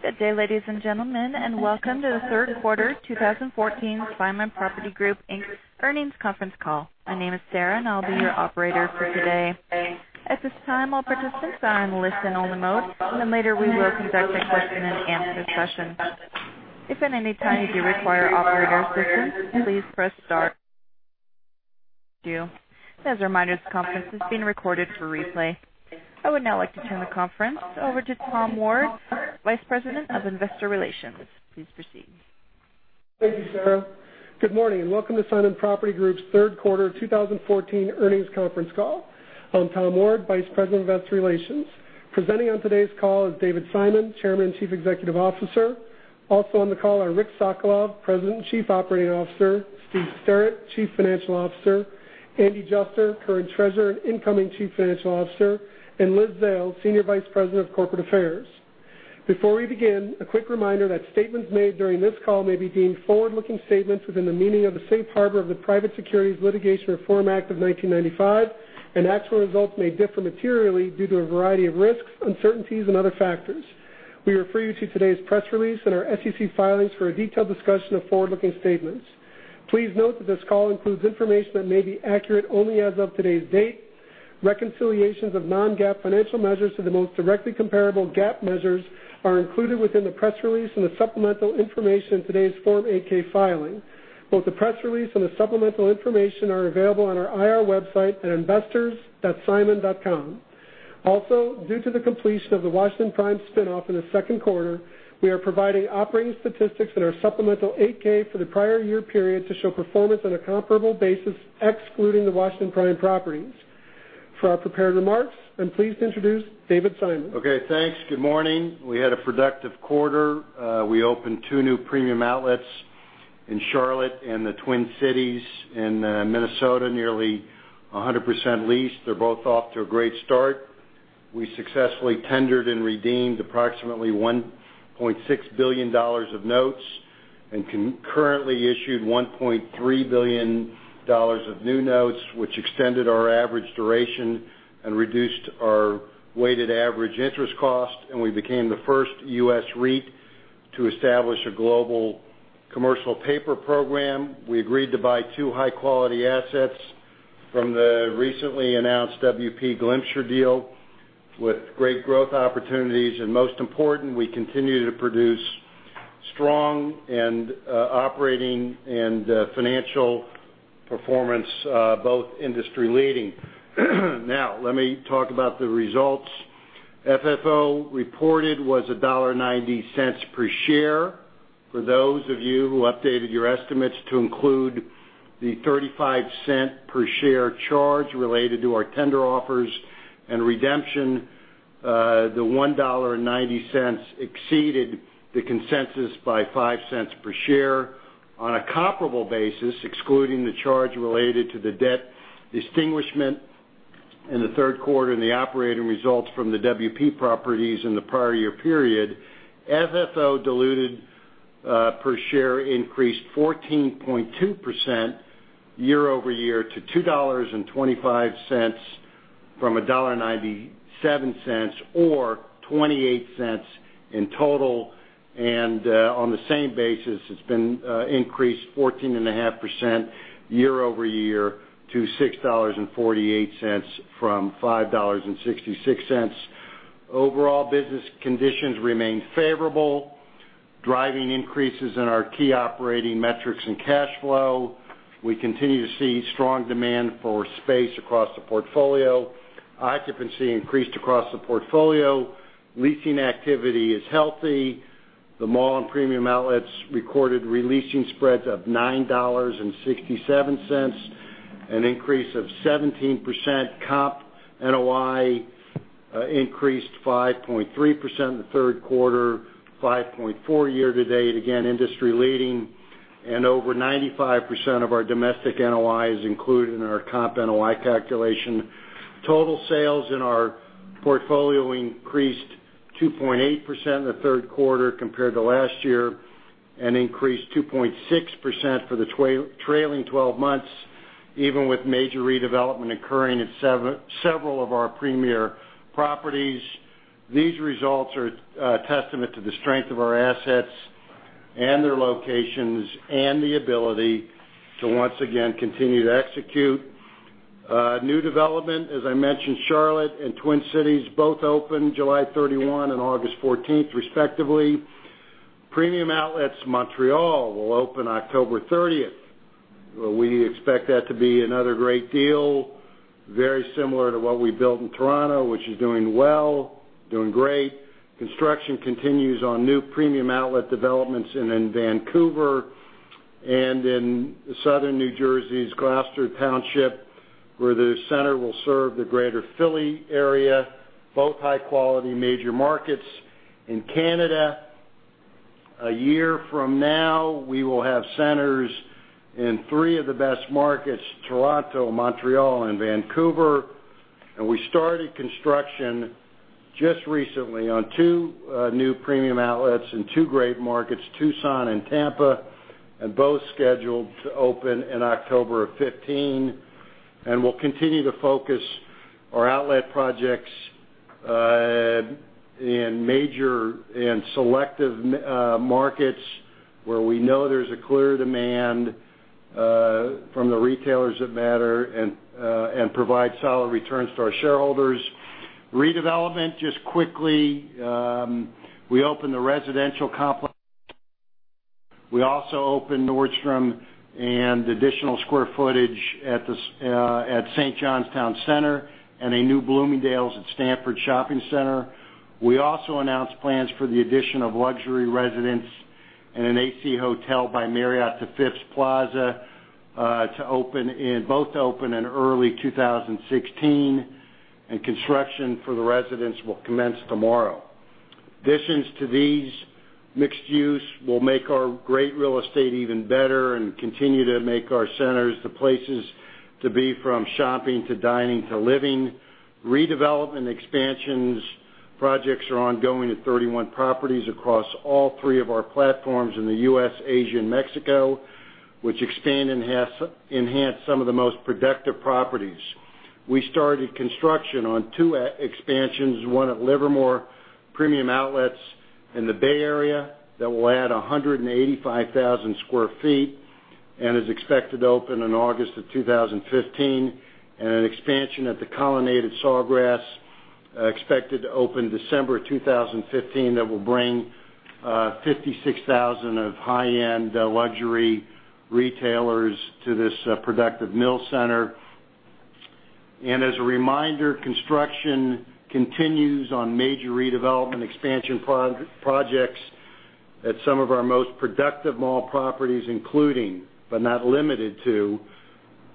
Good day, ladies and gentlemen, and welcome to the third quarter 2014 Simon Property Group, Inc. earnings conference call. My name is Sarah, and I'll be your operator for today. At this time, all participants are on listen only mode, later we will conduct a question and answer session. If at any time you do require operator assistance, please press star. Thank you. As a reminder, this conference is being recorded for replay. I would now like to turn the conference over to Tom Ward, Vice President of Investor Relations. Please proceed. Thank you, Sarah. Good morning and welcome to Simon Property Group's third quarter 2014 earnings conference call. I'm Tom Ward, Vice President of Investor Relations. Presenting on today's call is David Simon, Chairman and Chief Executive Officer. Also on the call are Richard Sokolov, President and Chief Operating Officer, Steve Sterrett, Chief Financial Officer, Andrew Juster, current Treasurer and incoming Chief Financial Officer, and Liz Zale, Senior Vice President of Corporate Affairs. Before we begin, a quick reminder that statements made during this call may be deemed forward-looking statements within the meaning of the Safe Harbor of the Private Securities Litigation Reform Act of 1995 and actual results may differ materially due to a variety of risks, uncertainties, and other factors. We refer you to today's press release and our SEC filings for a detailed discussion of forward-looking statements. Please note that this call includes information that may be accurate only as of today's date. Reconciliations of non-GAAP financial measures to the most directly comparable GAAP measures are included within the press release and the supplemental information in today's Form 8-K filing. Both the press release and the supplemental information are available on our IR website at investors.simon.com. Due to the completion of the Washington Prime spinoff in the second quarter, we are providing operating statistics in our supplemental 8-K for the prior year period to show performance on a comparable basis, excluding the Washington Prime properties. For our prepared remarks, I'm pleased to introduce David Simon. Thanks. Good morning. We had a productive quarter. We opened 2 new premium outlets in Charlotte and the Twin Cities in Minnesota, nearly 100% leased. They're both off to a great start. We successfully tendered and redeemed approximately $1.6 billion of notes and concurrently issued $1.3 billion of new notes, which extended our average duration and reduced our weighted average interest cost, we became the first U.S. REIT to establish a global commercial paper program. We agreed to buy 2 high-quality assets from the recently announced WP Glimcher deal with great growth opportunities, we continue to produce strong and operating and financial performance, both industry leading. Let me talk about the results. FFO reported was $1.90 per share. For those of you who updated your estimates to include the $0.35 per share charge related to our tender offers and redemption, the $1.90 exceeded the consensus by $0.05 per share. On a comparable basis, excluding the charge related to the debt distinguishment in the third quarter and the operating results from the WP properties in the prior year period, FFO diluted per share increased 14.2% year-over-year to $2.25 from $1.97 or $0.28 in total, on the same basis, it's been increased 14.5% year-over-year to $6.48 from $5.66. Overall business conditions remained favorable, driving increases in our key operating metrics and cash flow. We continue to see strong demand for space across the portfolio. Occupancy increased across the portfolio. Leasing activity is healthy. The mall and Premium Outlets recorded re-leasing spreads of $9.67, an increase of 17%. Comp NOI increased 5.3% in the third quarter, 5.4% year to date, again industry leading, and over 95% of our domestic NOI is included in our comp NOI calculation. Total sales in our portfolio increased 2.8% in the third quarter compared to last year and increased 2.6% for the trailing 12 months, even with major redevelopment occurring at several of our premier properties. These results are a testament to the strength of our assets and their locations and the ability to once again continue to execute. New development, as I mentioned, Charlotte and Twin Cities both opened July 31 and August 14th respectively. Premium Outlets Montreal will open October 30th. We expect that to be another great deal, very similar to what we built in Toronto, which is doing well, doing great. Construction continues on new Premium Outlet developments in Vancouver and in southern New Jersey's Gloucester Township, where the center will serve the greater Philly area, both high quality major markets. In Canada, a year from now, we will have centers in three of the best markets, Toronto, Montreal and Vancouver. We started construction just recently on two new Premium Outlets in two great markets, Tucson and Tampa, both scheduled to open in October of 2015. We will continue to focus our outlet projects in major and selective markets where we know there's a clear demand from the retailers that matter, and provide solid returns to our shareholders. Redevelopment, just quickly, we opened a residential complex. We also opened Nordstrom and additional square footage at St. Johns Town Center and a new Bloomingdale's at Stanford Shopping Center. We also announced plans for the addition of luxury residents and an AC Hotel by Marriott to Phipps Plaza, both to open in early 2016. Construction for the residents will commence tomorrow. Additions to these mixed use will make our great real estate even better and continue to make our centers the places to be, from shopping to dining to living. Redevelopment expansions projects are ongoing at 31 properties across all three of our platforms in the U.S., Asia, and Mexico, which expand enhance some of the most productive properties. We started construction on two expansions, one at Livermore Premium Outlets in the Bay Area that will add 185,000 sq ft and is expected to open in August of 2015. An expansion at the Colonnade at Sawgrass, expected to open December of 2015, that will bring 56,000 of high-end luxury retailers to this productive Mills center. As a reminder, construction continues on major redevelopment expansion projects at some of our most productive mall properties, including, but not limited to,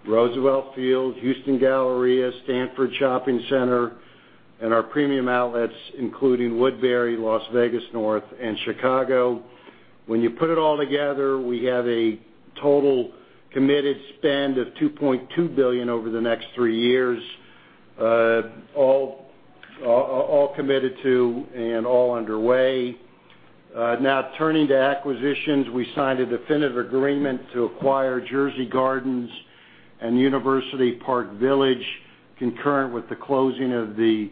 Roosevelt Field, Houston Galleria, Stanford Shopping Center, and our premium outlets, including Woodbury, Las Vegas North, and Chicago. When you put it all together, we have a total committed spend of $2.2 billion over the next three years, all committed to and all underway. Turning to acquisitions. We signed a definitive agreement to acquire Jersey Gardens and University Park Village concurrent with the closing of the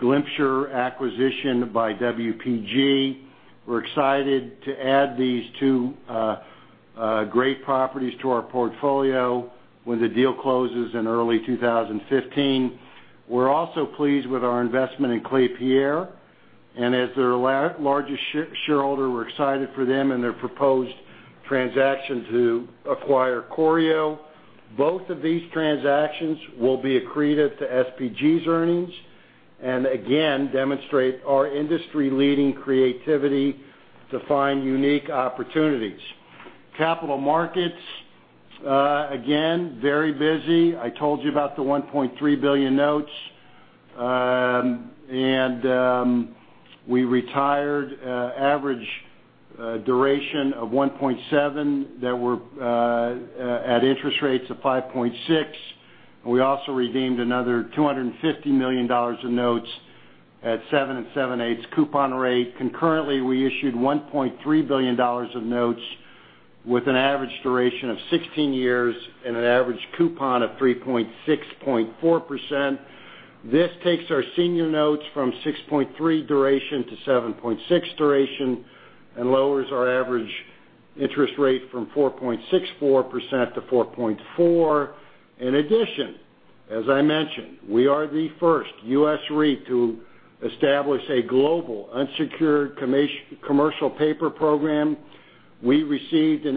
Glimcher acquisition by WPG. We're excited to add these two great properties to our portfolio when the deal closes in early 2015. We're also pleased with our investment in Klépierre, and as their largest shareholder, we're excited for them and their proposed transaction to acquire Corio. Both of these transactions will be accreted to SPG's earnings, again, demonstrate our industry leading creativity to find unique opportunities. Capital markets, again, very busy. I told you about the $1.3 billion notes. We retired average duration of 1.7 that were at interest rates of 5.6%, and we also redeemed another $250 million in notes at seven and seven eighths coupon rate. Concurrently, we issued $1.3 billion of notes with an average duration of 16 years and an average coupon of 3.6.4%. This takes our senior notes from 6.3 duration to 7.6 duration and lowers our average interest rate from 4.64% to 4.4%. In addition, as I mentioned, we are the first US REIT to establish a global unsecured commercial paper program. We received an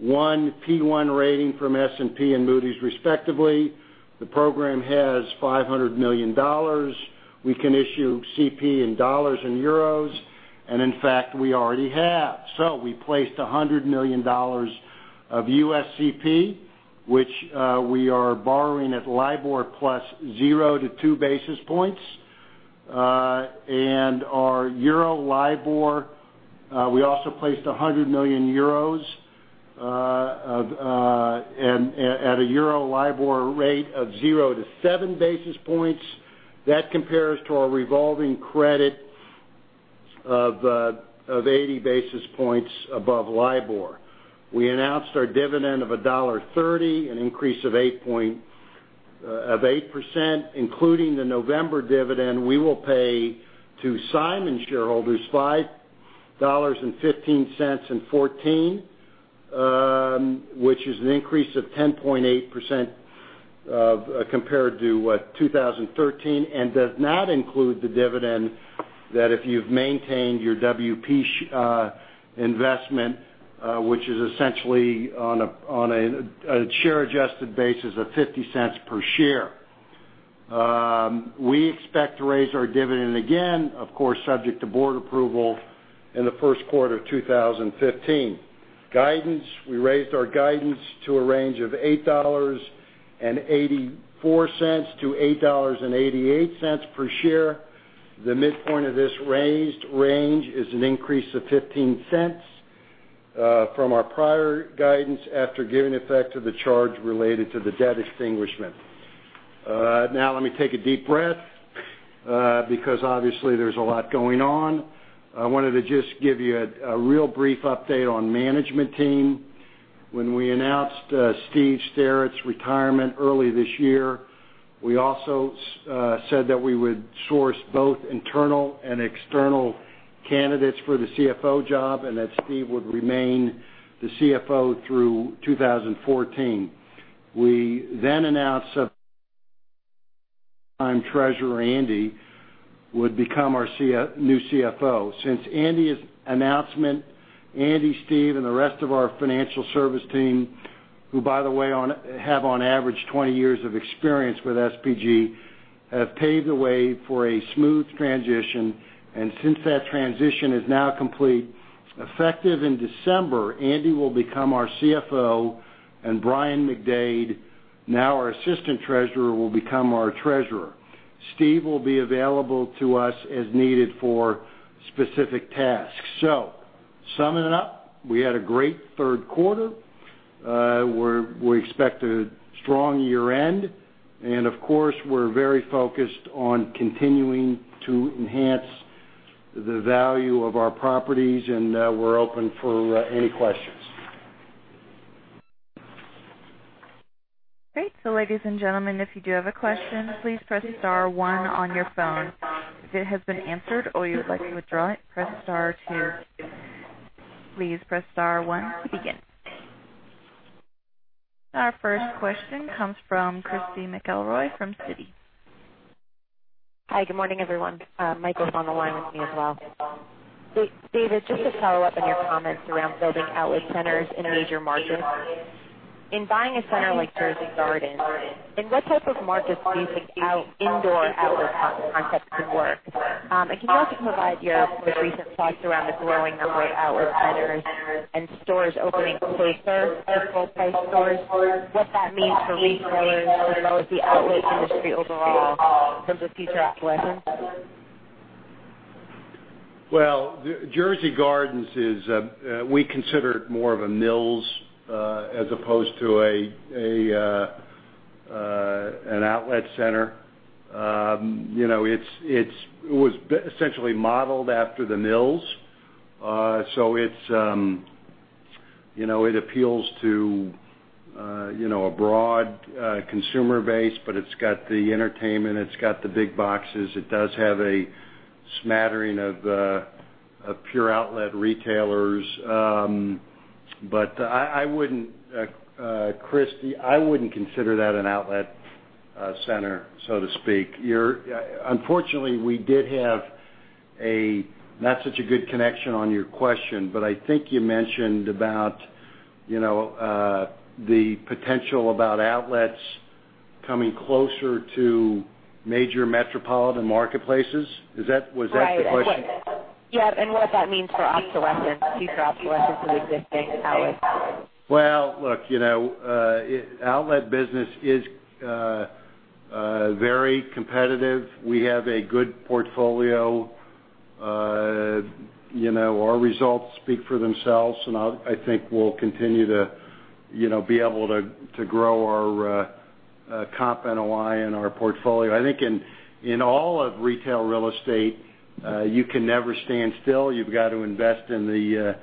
A1/P1 rating from S&P and Moody's, respectively. The program has $500 million. We can issue CP in dollars and euros, in fact, we already have. We placed $100 million of USCP, which we are borrowing at LIBOR plus zero to two basis points. Our Euro LIBOR, we also placed 100 million euros at a Euro LIBOR rate of zero to seven basis points. That compares to our revolving credit of 80 basis points above LIBOR. We announced our dividend of $1.30, an increase of 8%, including the November dividend we will pay to Simon shareholders $5.15 in 2014, which is an increase of 10.8% compared to 2013, does not include the dividend that if you've maintained your WP investment, which is essentially on a share adjusted basis of $0.50 per share. We expect to raise our dividend again, of course, subject to board approval in the first quarter of 2015. Guidance, we raised our guidance to a range of $8.84-$8.88 per share. The midpoint of this raised range is an increase of $0.15 from our prior guidance after giving effect to the charge related to the debt extinguishment. Let me take a deep breath, because obviously there's a lot going on. I wanted to just give you a real brief update on management team. We announced Steve Sterrett's retirement early this year, we also said that we would source both internal and external candidates for the CFO job, Steve would remain the CFO through 2014. We announced that our Treasurer, Andy, would become our new CFO. Since Andy's announcement, Andy, Steve, and the rest of our financial service team, who by the way have on average 20 years of experience with SPG, have paved the way for a smooth transition. Since that transition is now complete, effective in December, Andy will become our CFO, and Brian McDade, now our Assistant Treasurer, will become our Treasurer. Steve will be available to us as needed for specific tasks. Summing it up, we had a great third quarter. We expect a strong year-end, and of course, we're very focused on continuing to enhance the value of our properties, and we're open for any questions. Great. Ladies and gentlemen, if you do have a question, please press star one on your phone. If it has been answered or you would like to withdraw it, press star two. Please press star one to begin. Our first question comes from Christy McElroy from Citi. Hi, good morning, everyone. Michael's on the line with me as well. David, just to follow up on your comments around building outlet centers in major markets. In buying a center like Jersey Gardens, in what type of markets do you think indoor outlet concepts could work? Can you also provide your most recent thoughts around the growing number of outlet centers and stores opening closer to full price stores, what that means for retailers as well as the outlet industry overall in terms of future outlet centers? Well, Jersey Gardens, we consider it more of a mills as opposed to an outlet center. It was essentially modeled after the mills. It appeals to a broad consumer base, but it's got the entertainment, it's got the big boxes. It does have a smattering of pure outlet retailers. Christy, I wouldn't consider that an outlet center, so to speak. Unfortunately, we did have not such a good connection on your question, but I think you mentioned about the potential about outlets coming closer to major metropolitan marketplaces. Was that the question? Right. Yes. Yeah, what that means for future outlet centers existing outlets. Well, look, outlet business is very competitive. We have a good portfolio. Our results speak for themselves. I think we'll continue to be able to grow our comp NOI in our portfolio. I think in all of retail real estate, you can never stand still. You've got to invest in the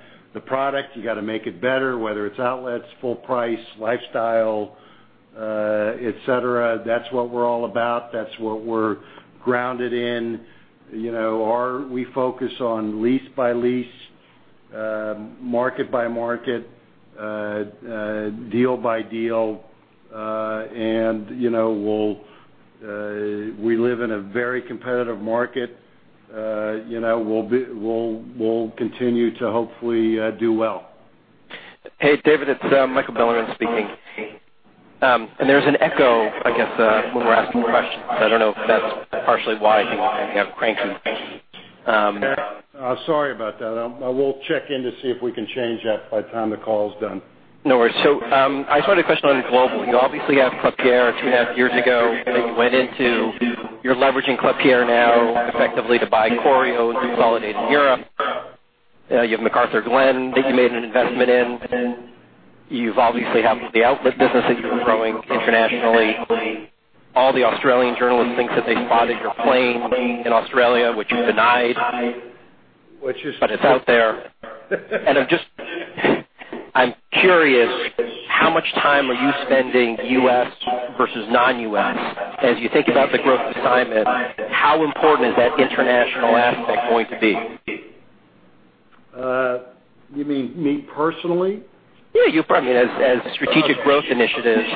product. You got to make it better, whether it's outlets, full price, lifestyle, et cetera. That's what we're all about. That's what we're grounded in. We focus on lease by lease, market by market, deal by deal. We live in a very competitive market. We'll continue to hopefully do well. Hey, David, it's Michael Bilerman speaking. There's an echo, I guess, when we're asking questions. I don't know if that's partially why, I think you have. Sorry about that. I will check in to see if we can change that by the time the call is done. No worries. I just had a question on global. You obviously have Klépierre two and a half years ago that you went into. You're leveraging Klépierre now effectively to buy Corio and consolidate in Europe. You have McArthurGlen that you made an investment in. You obviously have the outlet business that you've been growing internationally. All the Australian journalists think that they spotted your plane in Australia, which you denied. Which is- It's out there. I'm curious, how much time are you spending U.S. versus non-U.S.? As you think about the growth assignment, how important is that international aspect going to be? You mean me personally? Yeah, you probably, as strategic growth initiatives,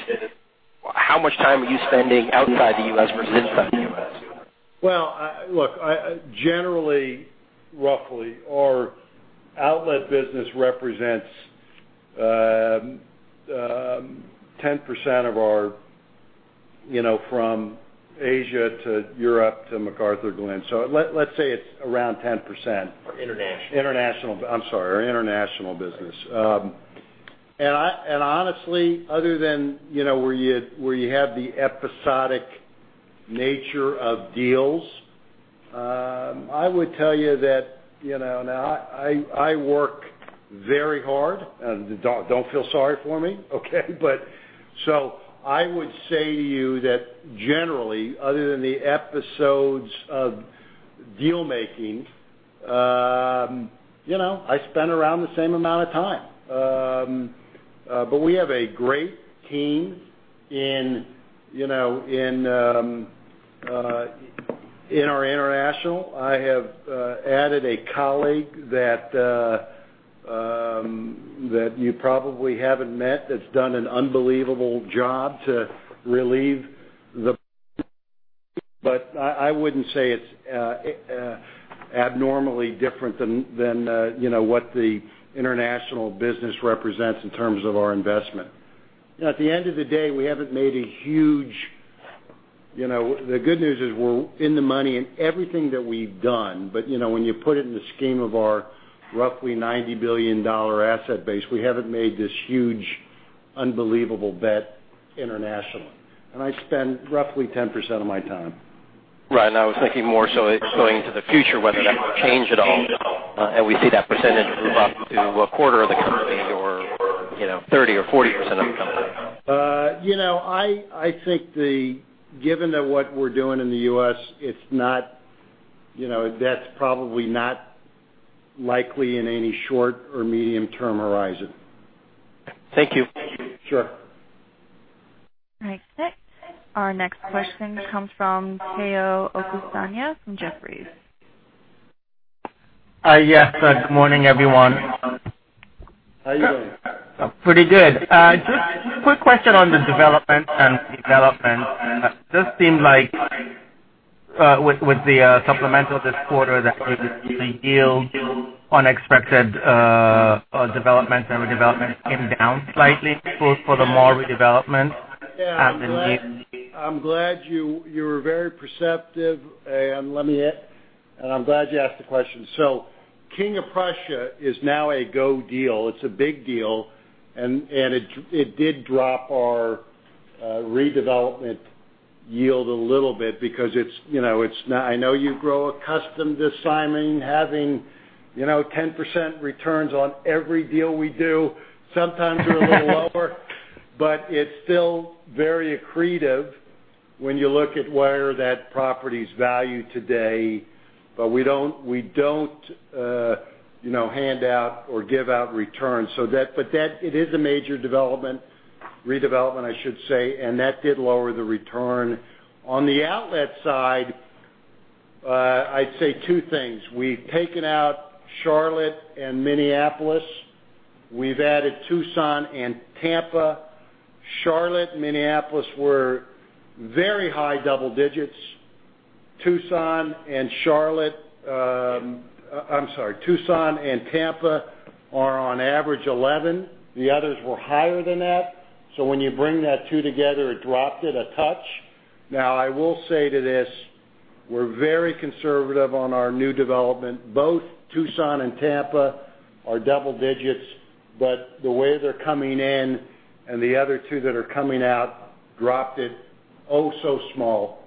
how much time are you spending outside the U.S. versus inside the U.S.? Well, look, generally, roughly, our outlet business represents 10% from Asia to Europe to McArthurGlen. Let's say it's around 10%. International. I'm sorry, our international business. Honestly, other than where you have the episodic nature of deals, I would tell you that now I work very hard, and don't feel sorry for me, okay? I would say to you that generally, other than the episodes of deal-making, I spend around the same amount of time. We have a great team in our international. I have added a colleague that you probably haven't met, that's done an unbelievable job. I wouldn't say it's abnormally different than what the international business represents in terms of our investment. At the end of the day, we haven't made a huge. The good news is we're in the money in everything that we've done. When you put it in the scheme of our roughly $90 billion asset base, we haven't made this huge, unbelievable bet internationally. I spend roughly 10% of my time. Right. I was thinking more so going into the future, whether that would change at all, and we see that percentage move up to a quarter of the company or 30% or 40% of the company. I think given that what we're doing in the U.S., that's probably not likely in any short or medium-term horizon. Thank you. Sure. All right, thanks. Our next question comes from Omotayo Okusanya from Jefferies. Yes. Good morning, everyone. How are you doing? Pretty good. Just a quick question on the development and redevelopment. It does seem like, with the supplemental this quarter, that the yield on expected development and redevelopment came down slightly, both for the mall redevelopment and the yield. Yeah. You're very perceptive, and I'm glad you asked the question. King of Prussia is now a go deal. It's a big deal, and it did drop our redevelopment yield a little bit because I know you grow accustomed to Simon having 10% returns on every deal we do. Sometimes we're a little lower, but it's still very accretive when you look at where that property's valued today. We don't hand out or give out returns. It is a major development, redevelopment, I should say, and that did lower the return. On the outlet side, I'd say two things. We've taken out Charlotte and Minneapolis. We've added Tucson and Tampa. Charlotte and Minneapolis were very high double digits. Tucson and Tampa are on average 11. The others were higher than that. When you bring that two together, it dropped it a touch. I will say to this, we're very conservative on our new development. Both Tucson and Tampa are double digits, but the way they're coming in and the other two that are coming out dropped it oh, so small.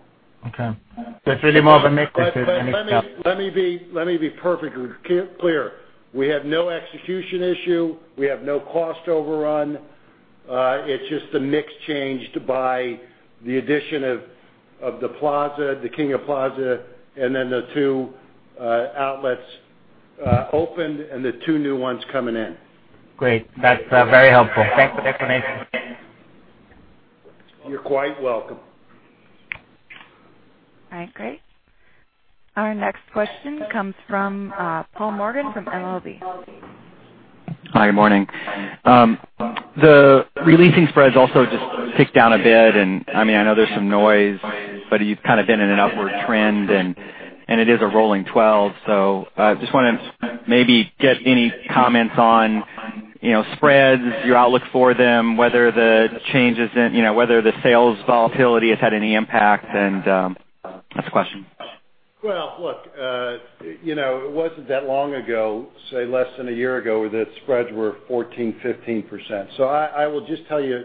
Okay. That's really more of a mix than. Let me be perfectly clear. We have no execution issue. We have no cost overrun. It's just a mix changed by the addition of the plaza, the King of Prussia, and then the two outlets opened, and the two new ones coming in. Great. That's very helpful. Thanks for the explanation. You're quite welcome. All right, great. Our next question comes from Paul Morgan from MLV. Hi, good morning. The re-leasing spreads also just ticked down a bit, I know there's some noise, but you've kind of been in an upward trend, it is a rolling 12. Just wanted to maybe get any comments on spreads, your outlook for them, whether the sales volatility has had any impact, That's the question. Well, look, it wasn't that long ago, say, less than a year ago, that spreads were 14%, 15%. I will just tell you,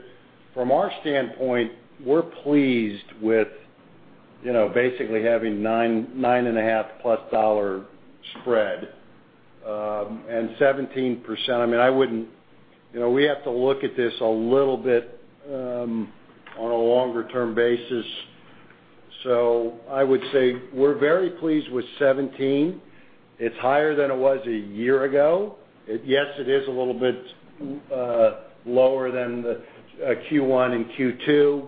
from our standpoint, we're pleased with basically having nine and a half plus dollar spread. 17%, we have to look at this a little bit, on a longer term basis. I would say we're very pleased with 17%. It's higher than it was a year ago. Yes, it is a little bit lower than the Q1 and Q2.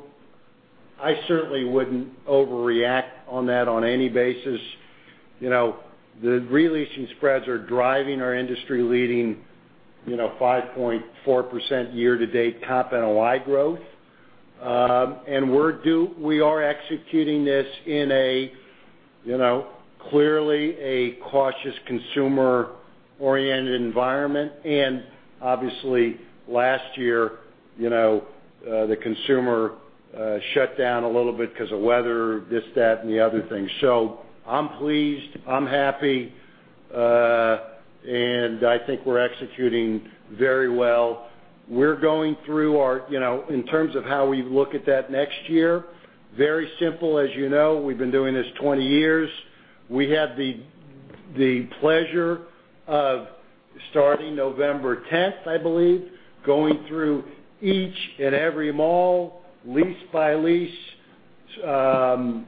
I certainly wouldn't overreact on that on any basis. The re-leasing spreads are driving our industry-leading 5.4% year-to-date top NOI growth. We are executing this in clearly a cautious consumer-oriented environment. Obviously, last year, the consumer shut down a little bit because of weather, this, that, and the other thing. I'm pleased, I'm happy. I think we're executing very well. We're going through, in terms of how we look at that next year, very simple. As you know, we've been doing this 20 years. We had the pleasure of starting November 10th, I believe, going through each and every mall, lease by lease, deal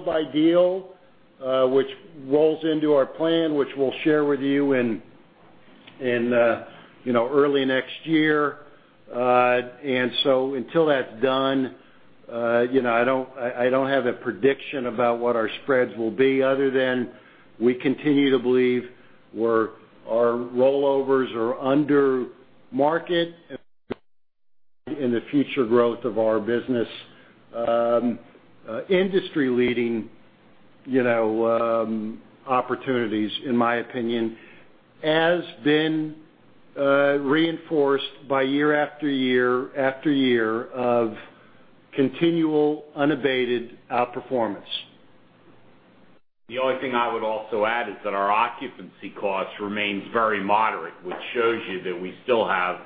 by deal, which rolls into our plan, which we'll share with you in early next year. Until that's done, I don't have a prediction about what our spreads will be other than, we continue to believe our rollovers are under market in the future growth of our business. Industry leading opportunities, in my opinion, as been reinforced by year after year after year of continual, unabated outperformance. The only thing I would also add is that our occupancy cost remains very moderate, which shows you that we still have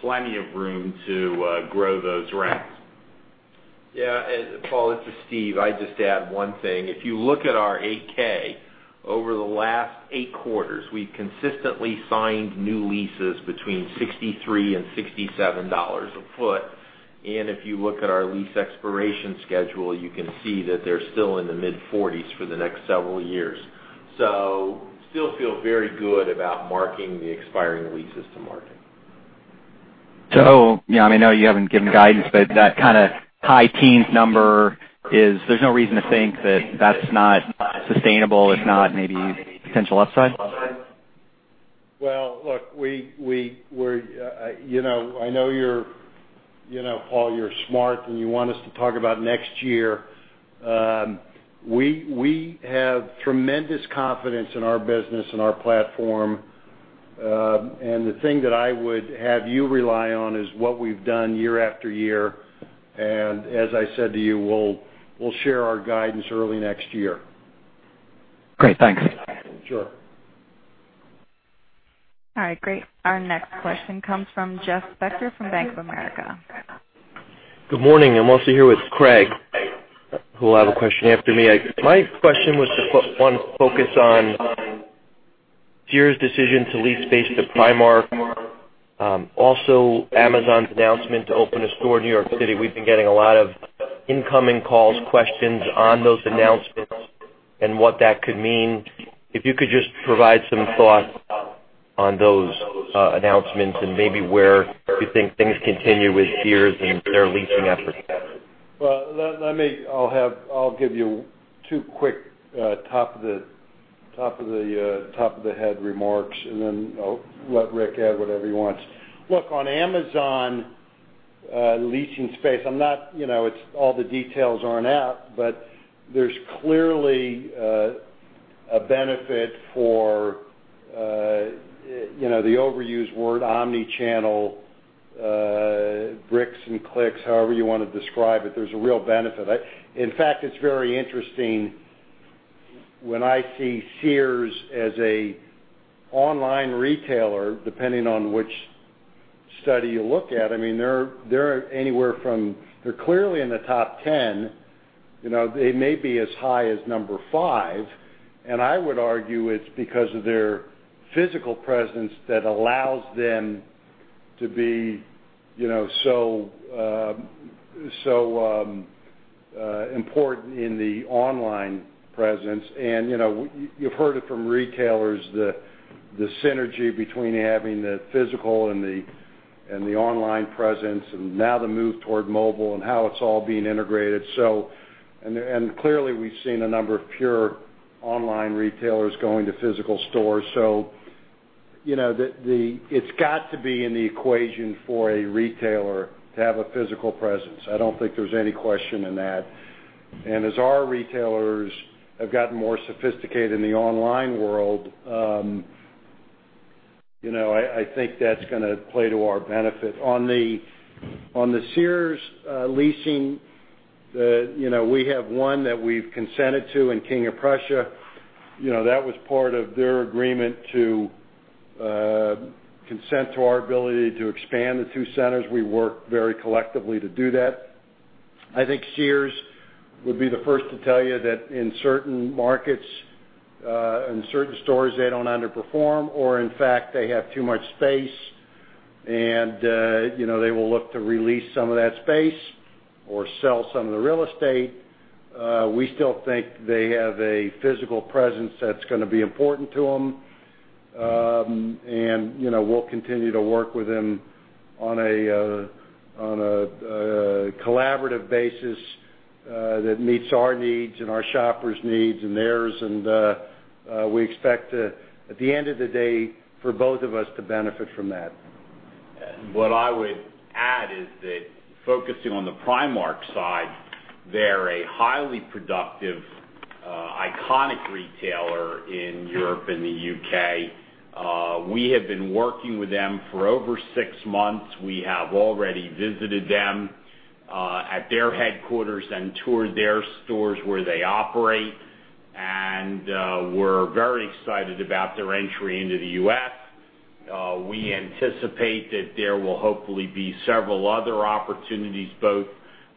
plenty of room to grow those rents. Yeah. Paul, it's Steve. I'd just add one thing. If you look at our 8-K, over the last eight quarters, we've consistently signed new leases between $63-$67 a foot. If you look at our lease expiration schedule, you can see that they're still in the mid-40s for the next several years. Still feel very good about marking the expiring leases to market. I know you haven't given guidance, but that kind of high teens number is, there's no reason to think that that's not sustainable. It's not maybe potential upside? Well, look, I know, Paul, you're smart, you want us to talk about next year. We have tremendous confidence in our business and our platform. The thing that I would have you rely on is what we've done year after year. As I said to you, we'll share our guidance early next year. Great. Thanks. Sure. All right. Great. Our next question comes from Jeff Becker from Bank of America. Good morning. I'm also here with Craig, who will have a question after me. My question was to, one, focus on Sears' decision to lease space to Primark. Amazon's announcement to open a store in New York City. We've been getting a lot of incoming calls, questions on those announcements and what that could mean. If you could just provide some thoughts on those announcements and maybe where you think things continue with Sears and their leasing efforts. I'll give you two quick top of the head remarks, then I'll let Rick add whatever he wants. Look, on Amazon leasing space, all the details aren't out, but there's clearly a benefit for, the overused word, omni-channel, bricks and clicks, however you want to describe it. There's a real benefit. In fact, it's very interesting when I see Sears as an online retailer, depending on which study you look at, they're clearly in the top 10. They may be as high as number 5, I would argue it's because of their physical presence that allows them to be so important in the online presence. You've heard it from retailers, the synergy between having the physical and the online presence, and now the move toward mobile and how it's all being integrated. Clearly, we've seen a number of pure online retailers going to physical stores. It's got to be in the equation for a retailer to have a physical presence. I don't think there's any question in that. As our retailers have gotten more sophisticated in the online world, I think that's going to play to our benefit. On the Sears leasing, we have one that we've consented to in King of Prussia. That was part of their agreement to consent to our ability to expand the two centers. We worked very collectively to do that. I think Sears would be the first to tell you that in certain markets, in certain stores, they don't underperform, or in fact, they have too much space, and they will look to re-lease some of that space or sell some of the real estate. We still think they have a physical presence that's going to be important to them. We'll continue to work with them on a collaborative basis that meets our needs and our shoppers' needs and theirs. We expect, at the end of the day, for both of us to benefit from that. What I would add is that focusing on the Primark side, they're a highly productive, iconic retailer in Europe and the U.K. We have been working with them for over six months. We have already visited them at their headquarters and toured their stores where they operate. We're very excited about their entry into the U.S. We anticipate that there will hopefully be several other opportunities, both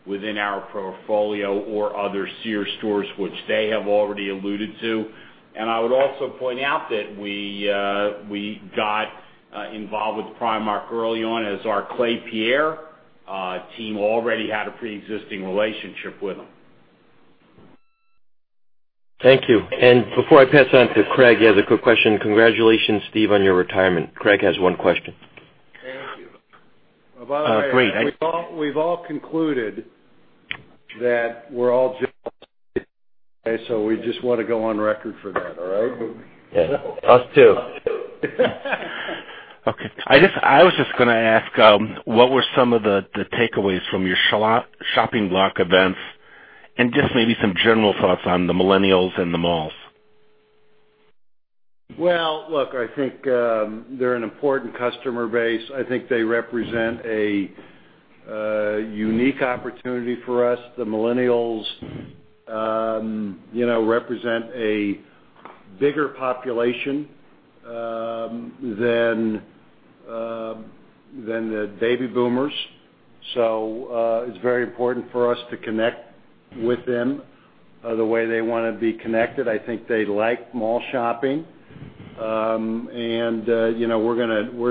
within our portfolio or other Sears stores, which they have already alluded to. I would also point out that we got involved with Primark early on, as our Klépierre team already had a pre-existing relationship with them. Thank you. Before I pass on to Craig, he has a quick question. Congratulations, Steve, on your retirement. Craig has one question. Thank you. Great. We've all concluded that we're all jealous, so we just want to go on record for that, all right? Yeah. Us too. Us too. Okay. I was just going to ask, what were some of the takeaways from your shopping block events and just maybe some general thoughts on the millennials and the malls? Well, look, I think they're an important customer base. I think they represent a unique opportunity for us. The millennials represent a bigger population than the baby boomers. It's very important for us to connect with them the way they want to be connected. I think they like mall shopping. We're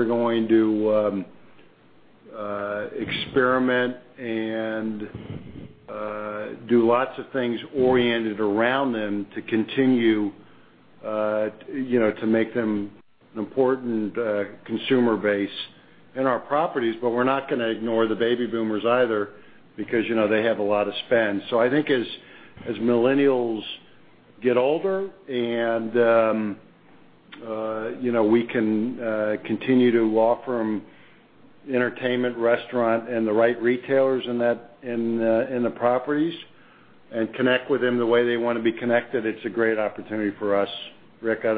going to experiment and do lots of things oriented around them to continue to make them an important consumer base in our properties. We're not going to ignore the baby boomers either, because they have a lot of spend. I think as millennials get older and we can continue to offer them entertainment, restaurant, and the right retailers in the properties and connect with them the way they want to be connected, it's a great opportunity for us. Rick, do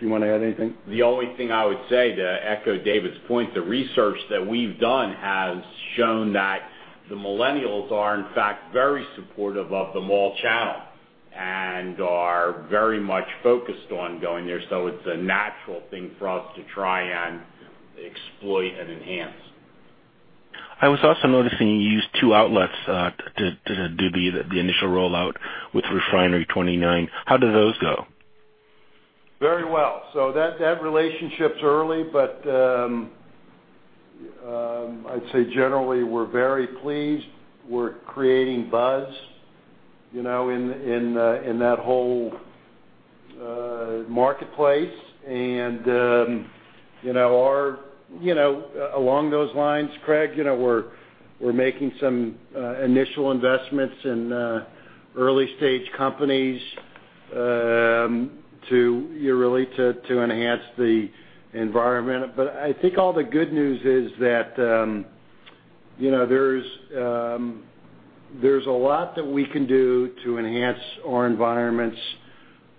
you want to add anything? The only thing I would say, to echo David's point, the research that we've done has shown that the millennials are, in fact, very supportive of the mall channel and are very much focused on going there. It's a natural thing for us to try and exploit and enhance. I was also noticing you used two outlets to do the initial rollout with Refinery29. How do those go? Very well. That relationship's early, but, I'd say, generally, we're very pleased. We're creating buzz in that whole marketplace. Along those lines, Craig, we're making some initial investments in early-stage companies to enhance the environment. I think all the good news is that there's a lot that we can do to enhance our environments,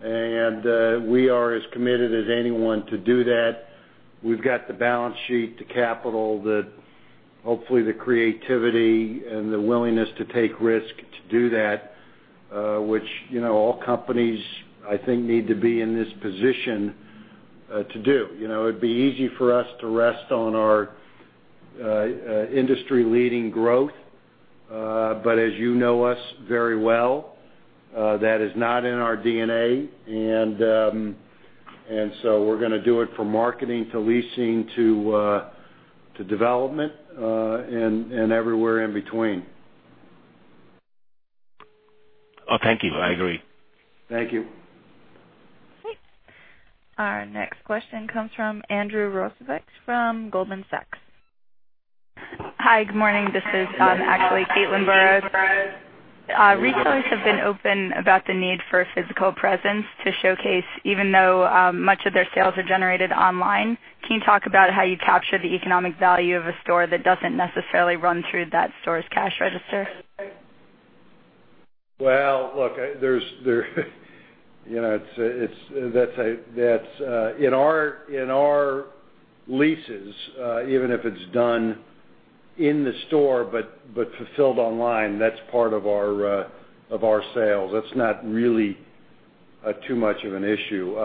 and we are as committed as anyone to do that. We've got the balance sheet, the capital, hopefully the creativity, and the willingness to take risk to do that which all companies, I think, need to be in this position to do. It'd be easy for us to rest on our industry-leading growth. As you know us very well, that is not in our DNA. We're going to do it from marketing to leasing, to development, and everywhere in between. Thank you. I agree. Thank you. Our next question comes from Andrew Rosivach from Goldman Sachs. Hi, good morning. This is actually Caitlin Burrows. Retailers have been open about the need for a physical presence to showcase, even though much of their sales are generated online. Can you talk about how you capture the economic value of a store that doesn't necessarily run through that store's cash register? Well, look, in our leases, even if it's done in the store but fulfilled online, that's part of our sales. That's not really too much of an issue.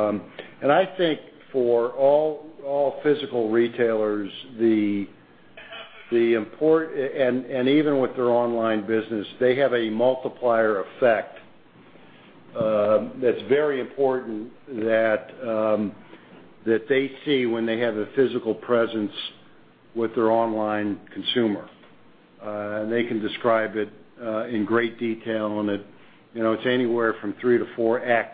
I think for all physical retailers, even with their online business, they have a multiplier effect that's very important that they see when they have the physical presence with their online consumer. They can describe it in great detail, and it's anywhere from 3x to 4x.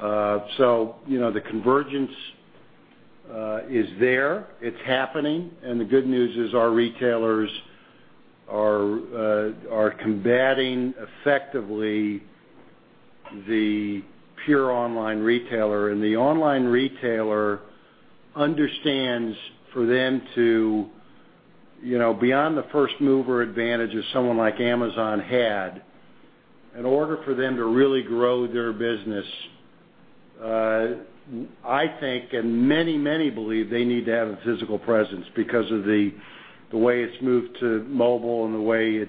The convergence is there. It's happening, and the good news is our retailers are combating, effectively, the pure online retailer. The online retailer understands, beyond the first-mover advantage that someone like Amazon had, in order for them to really grow their business I think, and many believe, they need to have a physical presence because of the way it's moved to mobile and the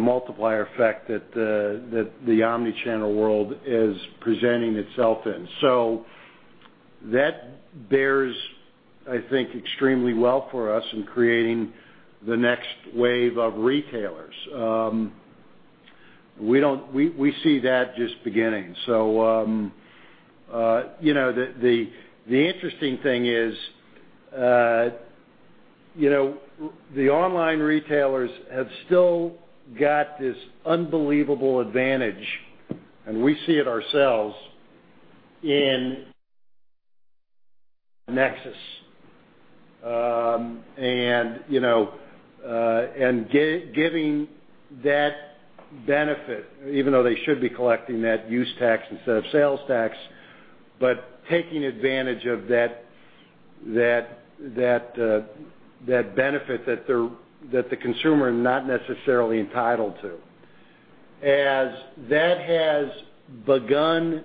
multiplier effect that the omni-channel world is presenting itself in. That bears, I think, extremely well for us in creating the next wave of retailers. We see that just beginning. The interesting thing is, the online retailers have still got this unbelievable advantage, and we see it ourselves, in Nexus. Giving that benefit, even though they should be collecting that use tax instead of sales tax, but taking advantage of that benefit that the consumer are not necessarily entitled to. As that has begun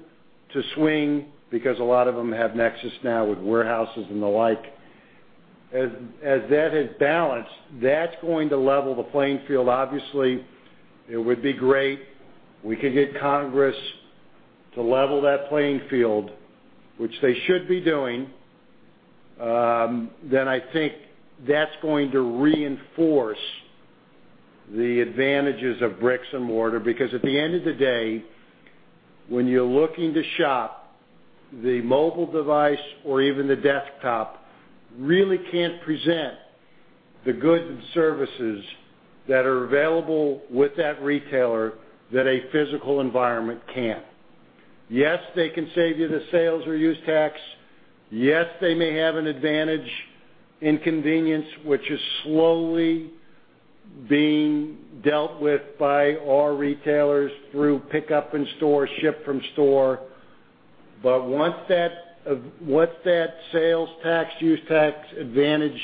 to swing, because a lot of them have Nexus now with warehouses and the like, as that has balanced, that's going to level the playing field. Obviously, it would be great if we could get Congress to level that playing field, which they should be doing. I think that's going to reinforce the advantages of bricks and mortar, because at the end of the day, when you're looking to shop, the mobile device or even the desktop really can't present the goods and services that are available with that retailer that a physical environment can. Yes, they can save you the sales or use tax. Yes, they may have an advantage in convenience, which is slowly being dealt with by our retailers through pickup in store, ship from store. Once that sales tax, use tax advantage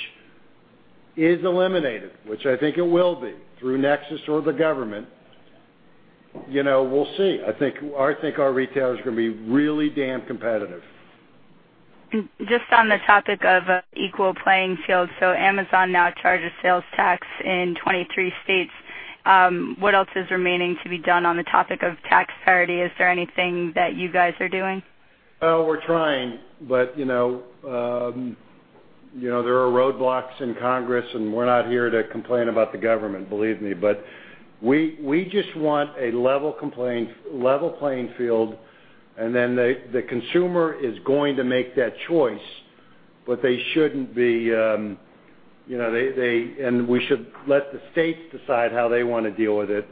is eliminated, which I think it will be, through Nexus or the government, we'll see. I think our retailers are going to be really damn competitive. Just on the topic of equal playing field, Amazon now charges sales tax in 23 states. What else is remaining to be done on the topic of tax parity? Is there anything that you guys are doing? We're trying, there are roadblocks in Congress, and we're not here to complain about the government, believe me. We just want a level playing field, the consumer is going to make that choice, we should let the states decide how they want to deal with it.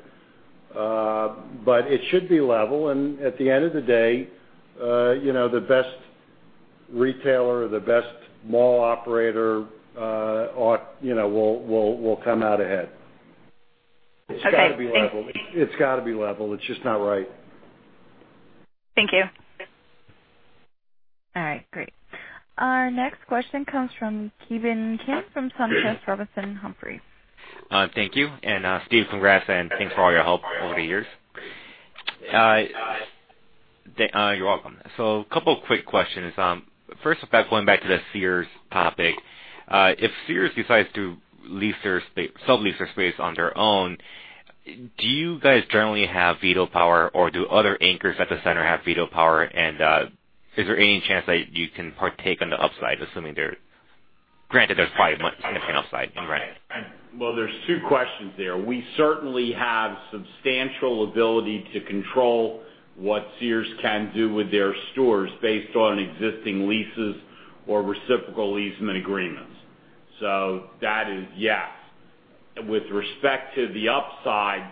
It should be level, and at the end of the day, the best retailer, the best mall operator, will come out ahead. Okay. Thank you. It's got to be level. It's just not right. Thank you. Great. Our next question comes from Ki Bin Kim from SunTrust Robinson Humphrey. Thank you. Steve, congrats and thanks for all your help over the years. You're welcome. A couple of quick questions. First, going back to the Sears topic. If Sears decides to sublease their space on their own, do you guys generally have veto power, or do other anchors at the center have veto power? And is there any chance that you can partake on the upside, granted there's probably not going to be an upside in rent. Well, there's two questions there. We certainly have substantial ability to control what Sears can do with their stores based on existing leases or reciprocal easement agreements. That is, yes. With respect to the upside,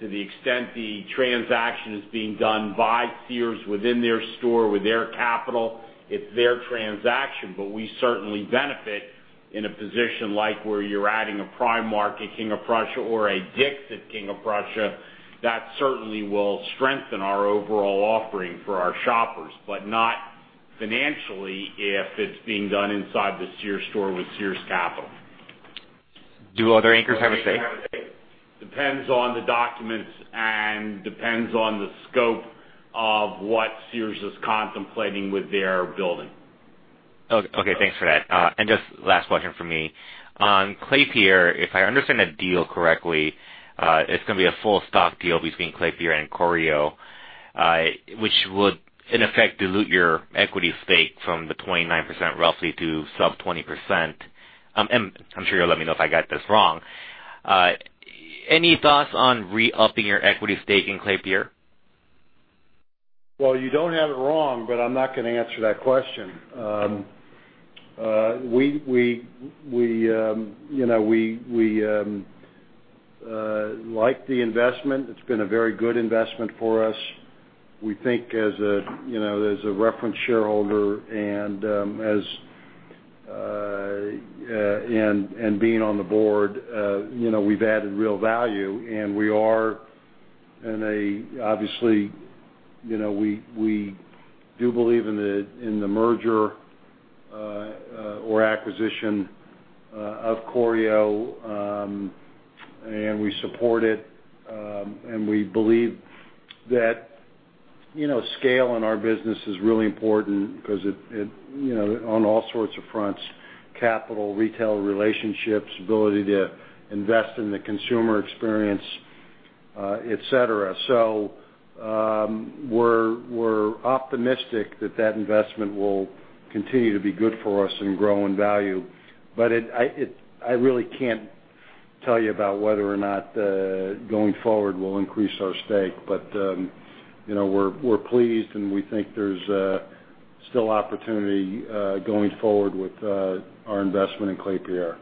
to the extent the transaction is being done by Sears within their store with their capital, it's their transaction. We certainly benefit in a position like where you're adding a Primark at King of Prussia or a Dick's at King of Prussia. That certainly will strengthen our overall offering for our shoppers, but not financially if it's being done inside the Sears store with Sears capital. Do other anchors have a say? Depends on the documents and depends on the scope of what Sears is contemplating with their building. Okay, thanks for that. Just last question from me. On Klépierre, if I understand the deal correctly, it's going to be a full stock deal between Klépierre and Corio, which would, in effect, dilute your equity stake from the 29% roughly to sub 20%. I'm sure you'll let me know if I got this wrong. Any thoughts on re-upping your equity stake in Klépierre? Well, you don't have it wrong, I'm not going to answer that question. We like the investment. It's been a very good investment for us. We think as a reference shareholder and being on the board, we've added real value, and we are in a-- obviously, we do believe in the merger or acquisition of Corio, and we support it. We believe that scale in our business is really important because on all sorts of fronts, capital, retail relationships, ability to invest in the consumer experience, et cetera. We're optimistic that that investment will continue to be good for us and grow in value. I really can't tell you about whether or not, going forward, we'll increase our stake. We're pleased, and we think there's still opportunity going forward with our investment in Klépierre.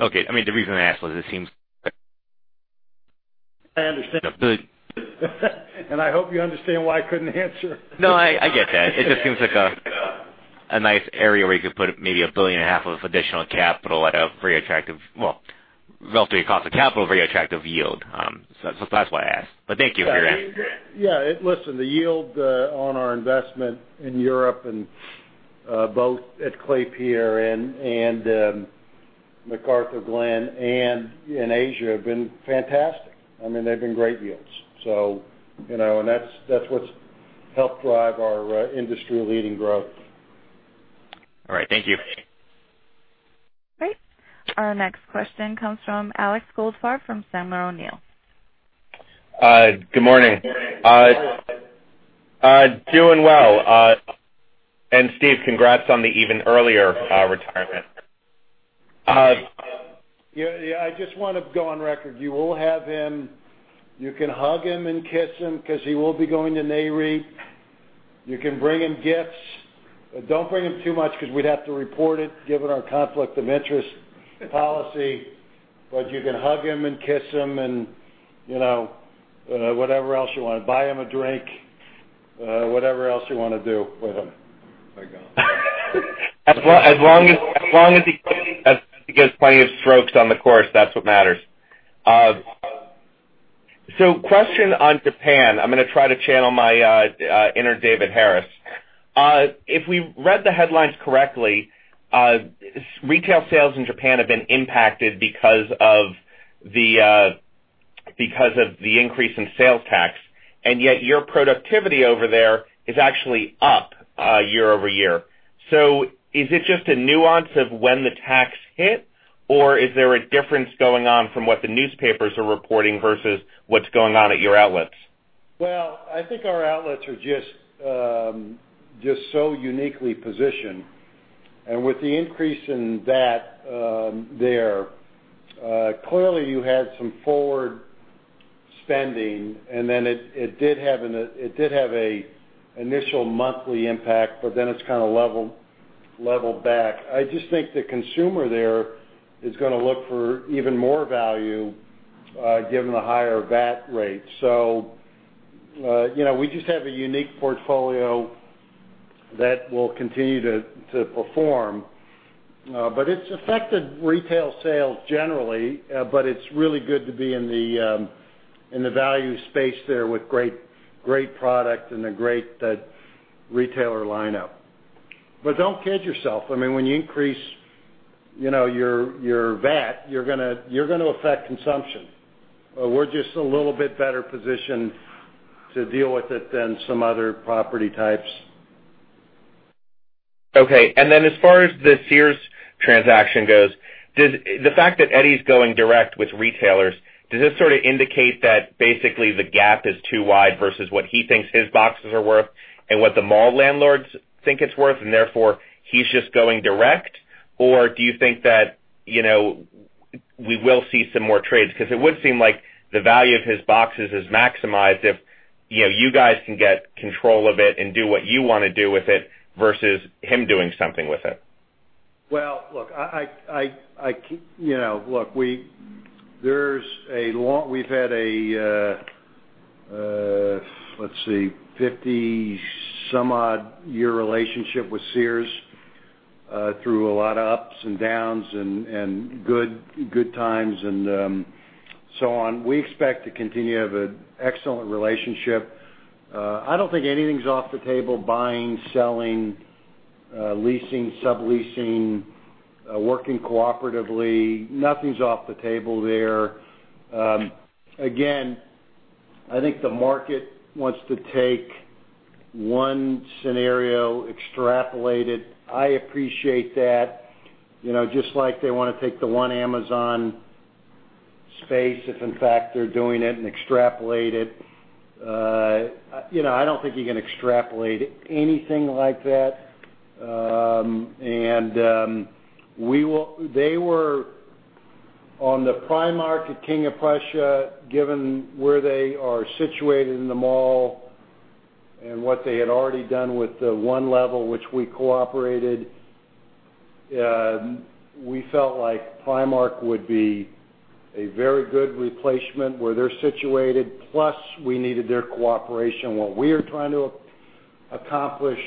Okay. The reason I asked was it seems I understand. I hope you understand why I couldn't answer. No, I get that. It just seems like a nice area where you could put maybe $1.5 billion of additional capital at a very attractive, well, relative cost of capital, very attractive yield. That's why I asked. Thank you for your answer. Yeah. Listen, the yield on our investment in Europe, both at Klépierre and McArthurGlen and in Asia, have been fantastic. They've been great yields. That's what's helped drive our industry-leading growth. All right. Thank you. Great. Our next question comes from Alex Goldfarb from Sandler O'Neill. Good morning. Doing well. Steve, congrats on the even earlier retirement. I just want to go on record. You will have him. You can hug him and kiss him because he will be going to NAREIT. You can bring him gifts. Don't bring him too much because we'd have to report it, given our conflict of interest policy. You can hug him and kiss him and whatever else you want. Buy him a drink, whatever else you want to do with him. As long as he gets plenty of strokes on the course, that's what matters. Question on Japan. I'm going to try to channel my inner David Harris. If we read the headlines correctly, retail sales in Japan have been impacted because of the increase in sales tax, and yet your productivity over there is actually up year-over-year. Is it just a nuance of when the tax hit, or is there a difference going on from what the newspapers are reporting versus what's going on at your outlets? Well, I think our outlets are just so uniquely positioned. With the increase in that there, clearly you had some forward spending, and then it did have an initial monthly impact, but then it's kind of leveled back. I just think the consumer there is going to look for even more value given the higher VAT rate. We just have a unique portfolio that will continue to perform. It's affected retail sales generally, but it's really good to be in the value space there with great product and a great retailer lineup. Don't kid yourself. When you increase your VAT, you're going to affect consumption. We're just a little bit better positioned to deal with it than some other property types. Okay. As far as the Sears transaction goes, the fact that Eddie's going direct with retailers, does this sort of indicate that basically the gap is too wide versus what he thinks his boxes are worth and what the mall landlords think it's worth, and therefore he's just going direct? Or do you think that we will see some more trades? It would seem like the value of his boxes is maximized if you guys can get control of it and do what you want to do with it versus him doing something with it. Well, look, we've had a, let's see, 50 some odd year relationship with Sears through a lot of ups and downs and good times and so on. We expect to continue to have an excellent relationship. I don't think anything's off the table, buying, selling, leasing, subleasing, working cooperatively. Nothing's off the table there. Again, I think the market wants to take one scenario, extrapolate it. I appreciate that. Just like they want to take the one Amazon space, if in fact they're doing it, and extrapolate it. I don't think you can extrapolate anything like that. On the Primark at King of Prussia, given where they are situated in the mall and what they had already done with the one level which we cooperated, we felt like Primark would be a very good replacement where they're situated. We needed their cooperation, what we are trying to accomplish,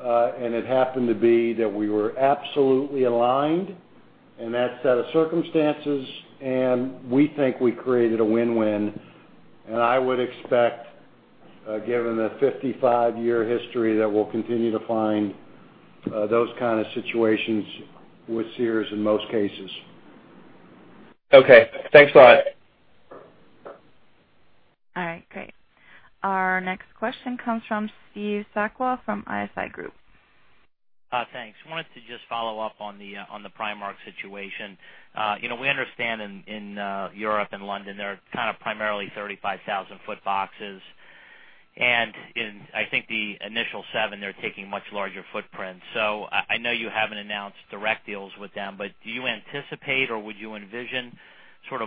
and it happened to be that we were absolutely aligned in that set of circumstances, and we think we created a win-win. I would expect, given the 55-year history, that we'll continue to find those kind of situations with Sears in most cases. Okay. Thanks a lot. All right. Great. Our next question comes from Steve Sakwa from ISI Group. Thanks. Wanted to just follow up on the Primark situation. We understand in Europe and London, there are primarily 35,000 foot boxes. In, I think, the initial seven, they're taking much larger footprints. I know you haven't announced direct deals with them, but do you anticipate, or would you envision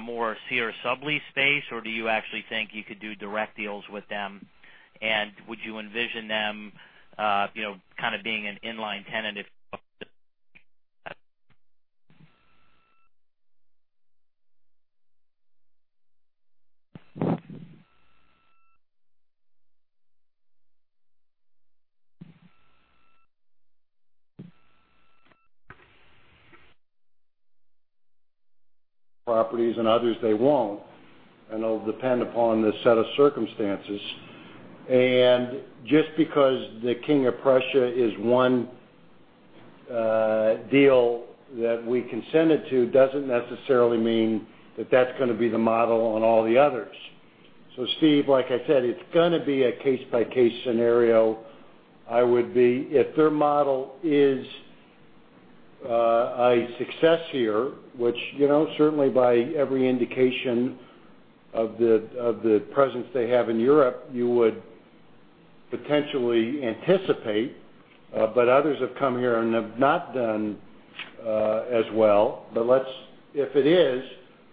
more Sears sublease space, or do you actually think you could do direct deals with them? Would you envision them being an inline tenant if Properties and others they won't, it'll depend upon the set of circumstances. Just because the King of Prussia is one deal that we consented to doesn't necessarily mean that's going to be the model on all the others. Steve, like I said, it's going to be a case-by-case scenario. If their model is a success here, which certainly by every indication of the presence they have in Europe, you would potentially anticipate, but others have come here and have not done as well. If it is,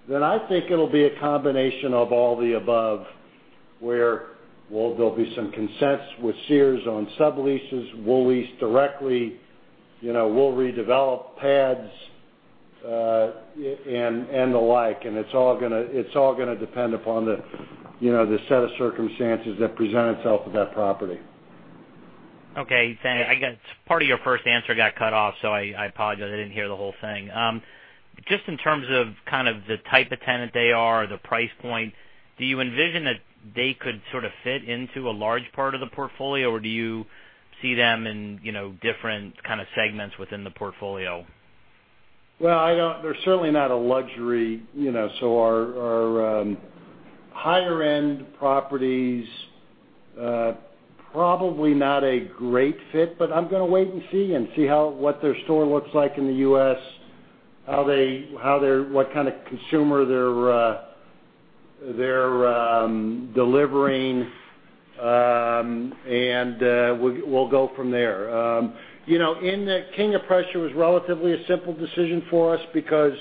then I think it'll be a combination of all the above, where there'll be some consents with Sears on subleases. We'll lease directly, we'll redevelop pads, and the like. It's all going to depend upon the set of circumstances that present itself with that property. Okay, thanks. Part of your first answer got cut off, I apologize. I didn't hear the whole thing. Just in terms of the type of tenant they are, the price point, do you envision that they could sort of fit into a large part of the portfolio, or do you see them in different segments within the portfolio? They're certainly not a luxury, our higher end properties, probably not a great fit. I'm going to wait and see what their store looks like in the U.S., what kind of consumer they're delivering, we'll go from there. King of Prussia was relatively a simple decision for us because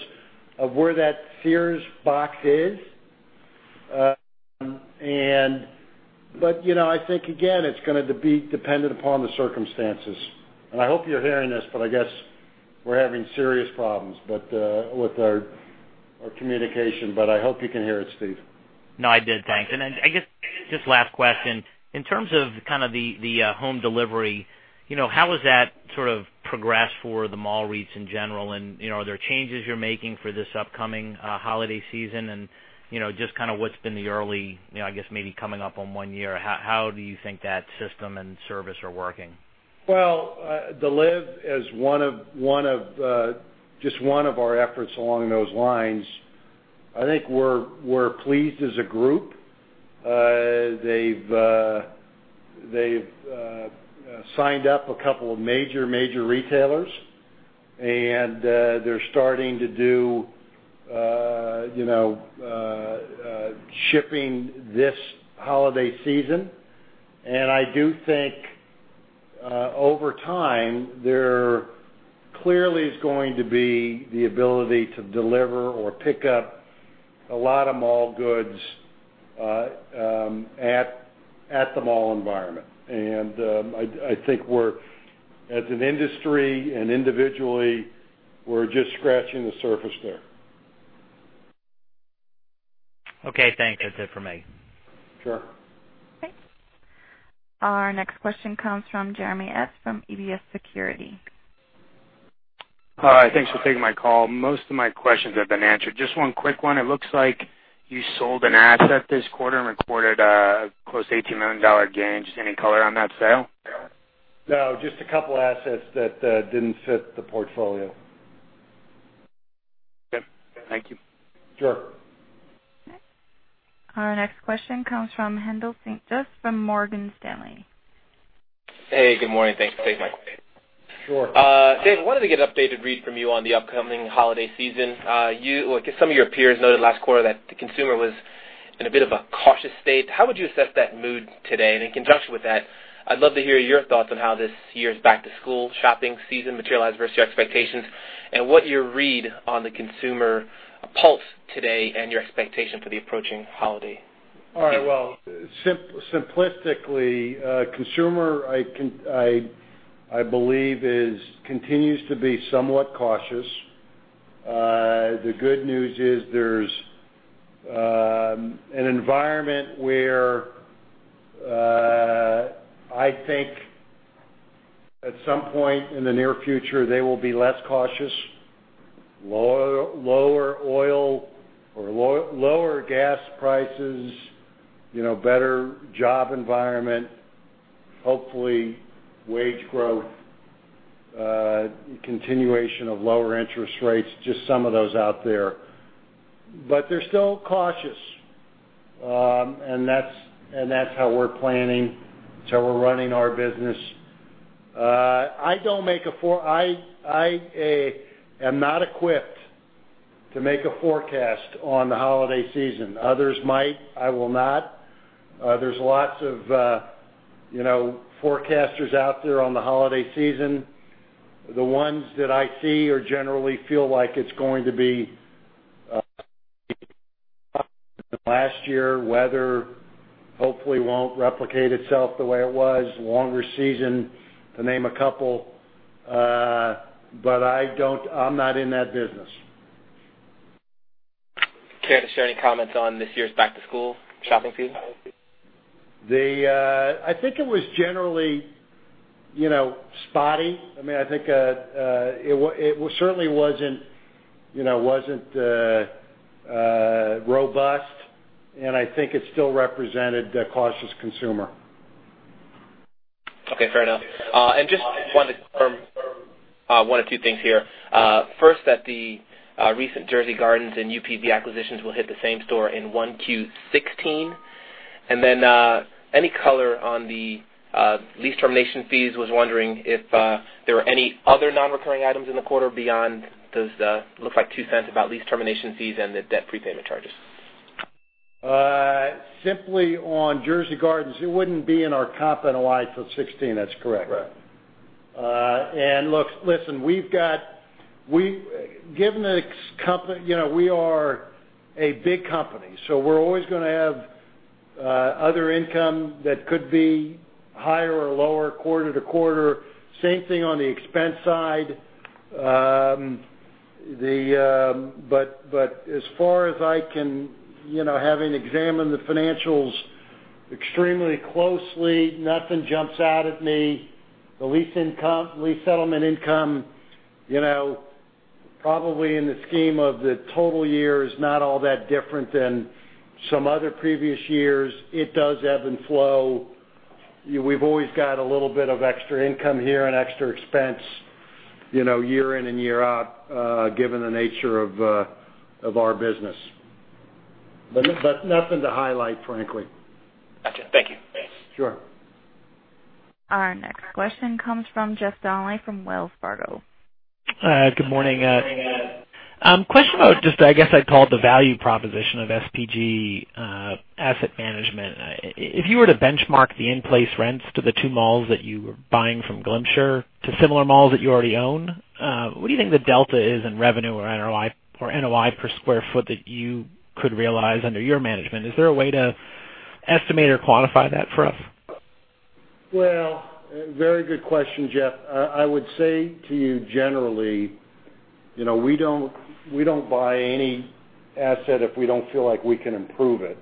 of where that Sears box is. I think, again, it's going to be dependent upon the circumstances. I hope you're hearing this, I guess we're having serious problems with our communication. I hope you can hear it, Steve. No, I did. Thanks. Then, I guess, just last question. In terms of the home delivery, how has that progressed for the mall REITs in general, are there changes you're making for this upcoming holiday season and just what's been the early, I guess, maybe coming up on one year, how do you think that system and service are working? The liv is just one of our efforts along those lines. I think we're pleased as a group. They've signed up a couple of major retailers. They're starting to do shipping this holiday season. I do think, over time, there clearly is going to be the ability to deliver or pick up a lot of mall goods at the mall environment. I think as an industry and individually, we're just scratching the surface there. Okay, thanks. That's it for me. Sure. Okay. Our next question comes from Jeremy S. from EBS Security. Hi, thanks for taking my call. Most of my questions have been answered. Just one quick one. It looks like you sold an asset this quarter and recorded a close to $18 million gain. Just any color on that sale? No, just a couple assets that didn't fit the portfolio. Okay. Thank you. Sure. Okay. Our next question comes from Haendel St. Juste from Morgan Stanley. Hey, good morning. Thanks for taking my call. Sure. Dave, wanted to get an updated read from you on the upcoming holiday season. Some of your peers noted last quarter that the consumer was in a bit of a cautious state. How would you assess that mood today? In conjunction with that, I'd love to hear your thoughts on how this year's back-to-school shopping season materialized versus your expectations and what your read on the consumer pulse today and your expectation for the approaching holiday. All right. Well, simplistically, consumer, I believe, continues to be somewhat cautious. The good news is there's an environment where I think at some point in the near future, they will be less cautious. Lower oil or lower gas prices, better job environment, hopefully wage growth, continuation of lower interest rates, just some of those out there. They're still cautious, and that's how we're planning, that's how we're running our business. I am not equipped to make a forecast on the holiday season. Others might, I will not. There's lots of forecasters out there on the holiday season. The ones that I see or generally feel like it's going to be last year, weather, hopefully won't replicate itself the way it was, longer season, to name a couple. I'm not in that business. Care to share any comments on this year's back-to-school shopping season? I think it was generally spotty. I think it certainly wasn't robust. I think it still represented a cautious consumer. Okay, fair enough. Just wanted to confirm one of two things here. First, that the recent Jersey Gardens and University Park Village acquisitions will hit the same store in 1Q 2016. Then, any color on the lease termination fees? Was wondering if there were any other non-recurring items in the quarter beyond those, looks like $0.02, about lease termination fees and the debt prepayment charges. Simply on Jersey Gardens, it wouldn't be in our comp NOI for 2016. That's correct. Right. Look, listen, we are a big company, so we're always going to have other income that could be higher or lower quarter-to-quarter. Same thing on the expense side. As far as I can, having examined the financials extremely closely, nothing jumps out at me. The lease settlement income, probably in the scheme of the total year is not all that different than some other previous years. It does ebb and flow. We've always got a little bit of extra income here and extra expense, year in and year out, given the nature of our business. Nothing to highlight, frankly. Got you. Thank you. Sure. Our next question comes from Jeff Donnelly from Wells Fargo. Good morning. Question about just, I guess, I'd call it the value proposition of SPG asset management. If you were to benchmark the in-place rents to the two malls that you were buying from Glimcher to similar malls that you already own, what do you think the delta is in revenue or NOI per sq ft that you could realize under your management? Is there a way to estimate or quantify that for us? Well, very good question, Jeff. I would say to you, generally, we don't buy any asset if we don't feel like we can improve it.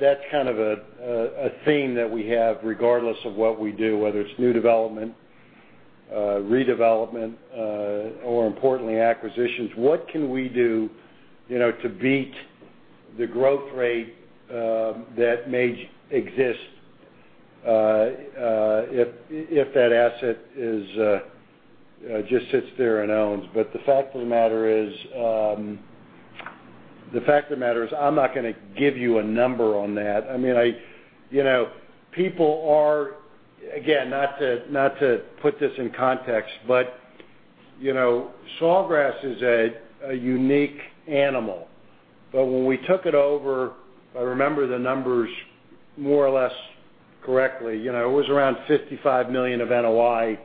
That's kind of a theme that we have regardless of what we do, whether it's new development, redevelopment, or importantly, acquisitions. What can we do to beat the growth rate that may exist if that asset just sits there and owns? The fact of the matter is, I'm not going to give you a number on that. Again, not to put this in context, Sawgrass is a unique animal. When we took it over, if I remember the numbers more or less correctly, it was around $55 million of NOI.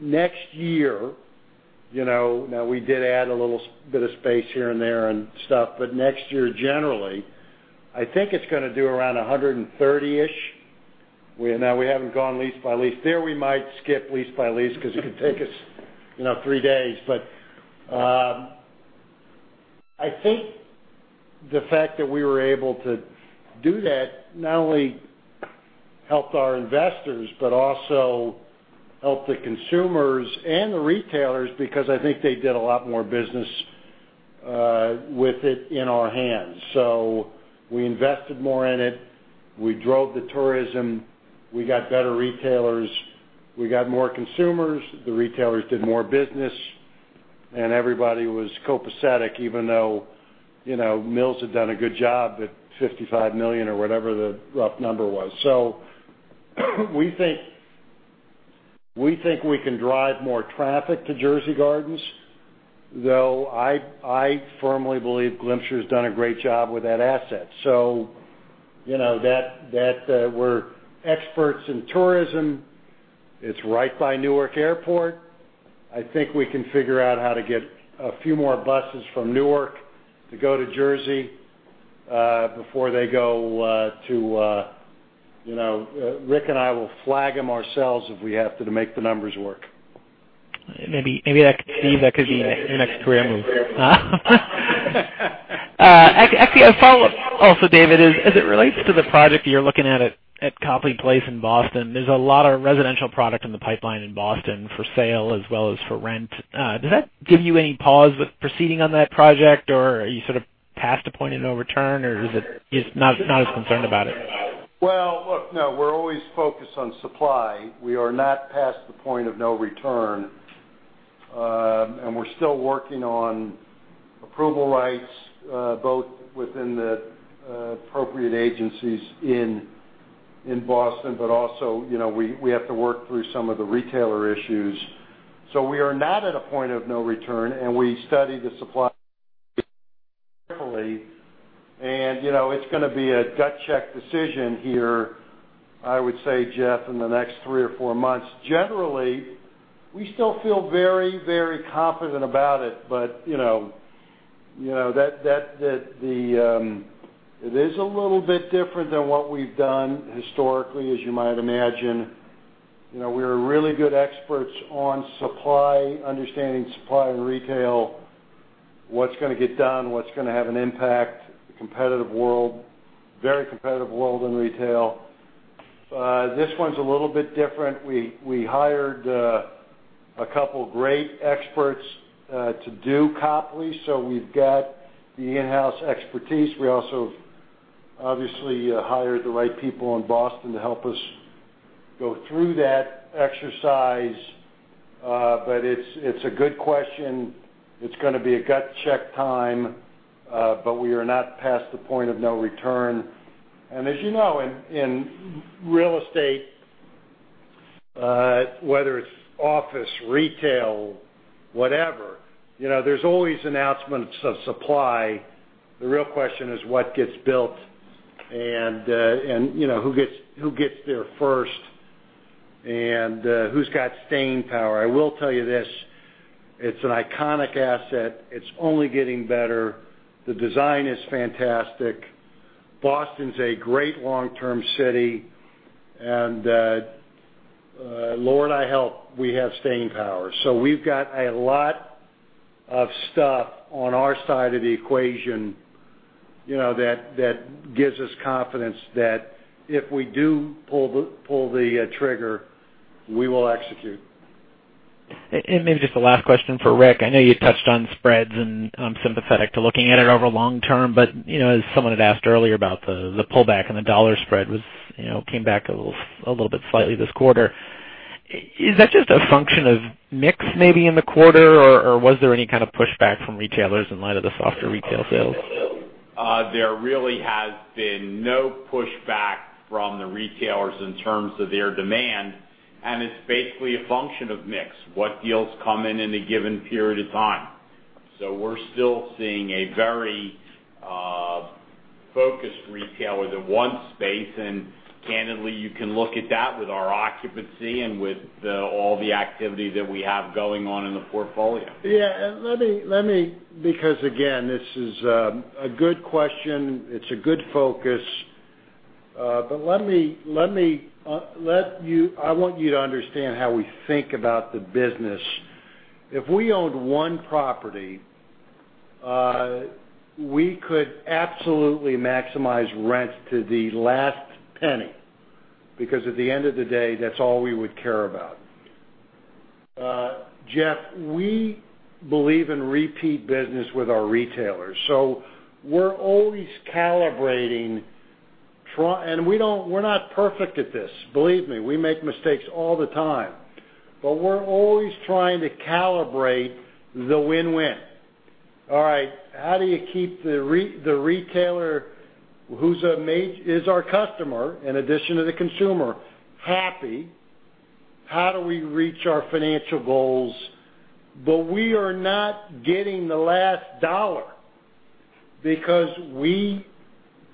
Next year, now we did add a little bit of space here and there and stuff, next year, generally, I think it's going to do around 130-ish, where now we haven't gone lease by lease. There we might skip lease by lease because it could take us three days. I think the fact that we were able to do that not only helped our investors but also helped the consumers and the retailers because I think they did a lot more business with it in our hands. We invested more in it. We drove the tourism. We got better retailers. We got more consumers. The retailers did more business, and everybody was copacetic, even though Mills had done a good job at $55 million or whatever the rough number was. We think we can drive more traffic to Jersey Gardens, though I firmly believe Glimcher's done a great job with that asset. We're experts in tourism. It's right by Newark Airport. I think we can figure out how to get a few more buses from Newark to go to Jersey, before they go to Rick and I will flag them ourselves, if we have to make the numbers work. Maybe, Steve, that could be your next career move. Actually, a follow-up also, David, as it relates to the project you're looking at Copley Place in Boston. There's a lot of residential product in the pipeline in Boston for sale as well as for rent. Does that give you any pause with proceeding on that project, or are you sort of past the point of no return, or is it you're just not as concerned about it? Well, look, no, we're always focused on supply. We are not past the point of no return. We're still working on approval rights, both within the appropriate agencies in Boston, but also, we have to work through some of the retailer issues. We are not at a point of no return, and we study the supply carefully. It's going to be a gut-check decision here, I would say, Jeff, in the next three or four months. Generally, we still feel very, very confident about it. It is a little bit different than what we've done historically, as you might imagine. We're really good experts on supply, understanding supply and retail, what's going to get done, what's going to have an impact, competitive world, very competitive world in retail. This one's a little bit different. We hired a couple of great experts to do Copley. We've got the in-house expertise. We also obviously hired the right people in Boston to help us go through that exercise. It's a good question. It's going to be a gut check time, but we are not past the point of no return. As you know, in real estate, whether it's office, retail, whatever, there's always announcements of supply. The real question is what gets built and who gets there first and who's got staying power. I will tell you this, it's an iconic asset. It's only getting better. The design is fantastic. Boston's a great long-term city, and Lord, I hope we have staying power. We've got a lot of stuff on our side of the equation, that gives us confidence that if we do pull the trigger, we will execute. Maybe just the last question for Rick. I know you touched on spreads, and I'm sympathetic to looking at it over long term. As someone had asked earlier about the pullback and the dollar spread came back a little bit slightly this quarter. Is that just a function of mix maybe in the quarter, or was there any kind of pushback from retailers in light of the softer retail sales? There really has been no pushback from the retailers in terms of their demand. It's basically a function of mix, what deals come in in a given period of time. We're still seeing a very focused retailer that wants space. Candidly, you can look at that with our occupancy and with all the activity that we have going on in the portfolio. Yeah. Again, this is a good question. It's a good focus. I want you to understand how we think about the business. If we owned one property, we could absolutely maximize rent to the last penny because at the end of the day, that's all we would care about. Jeff, we believe in repeat business with our retailers. We're always calibrating. We're not perfect at this. Believe me, we make mistakes all the time. We're always trying to calibrate the win-win. All right, how do you keep the retailer, who is our customer, in addition to the consumer, happy? How do we reach our financial goals? We are not getting the last dollar because we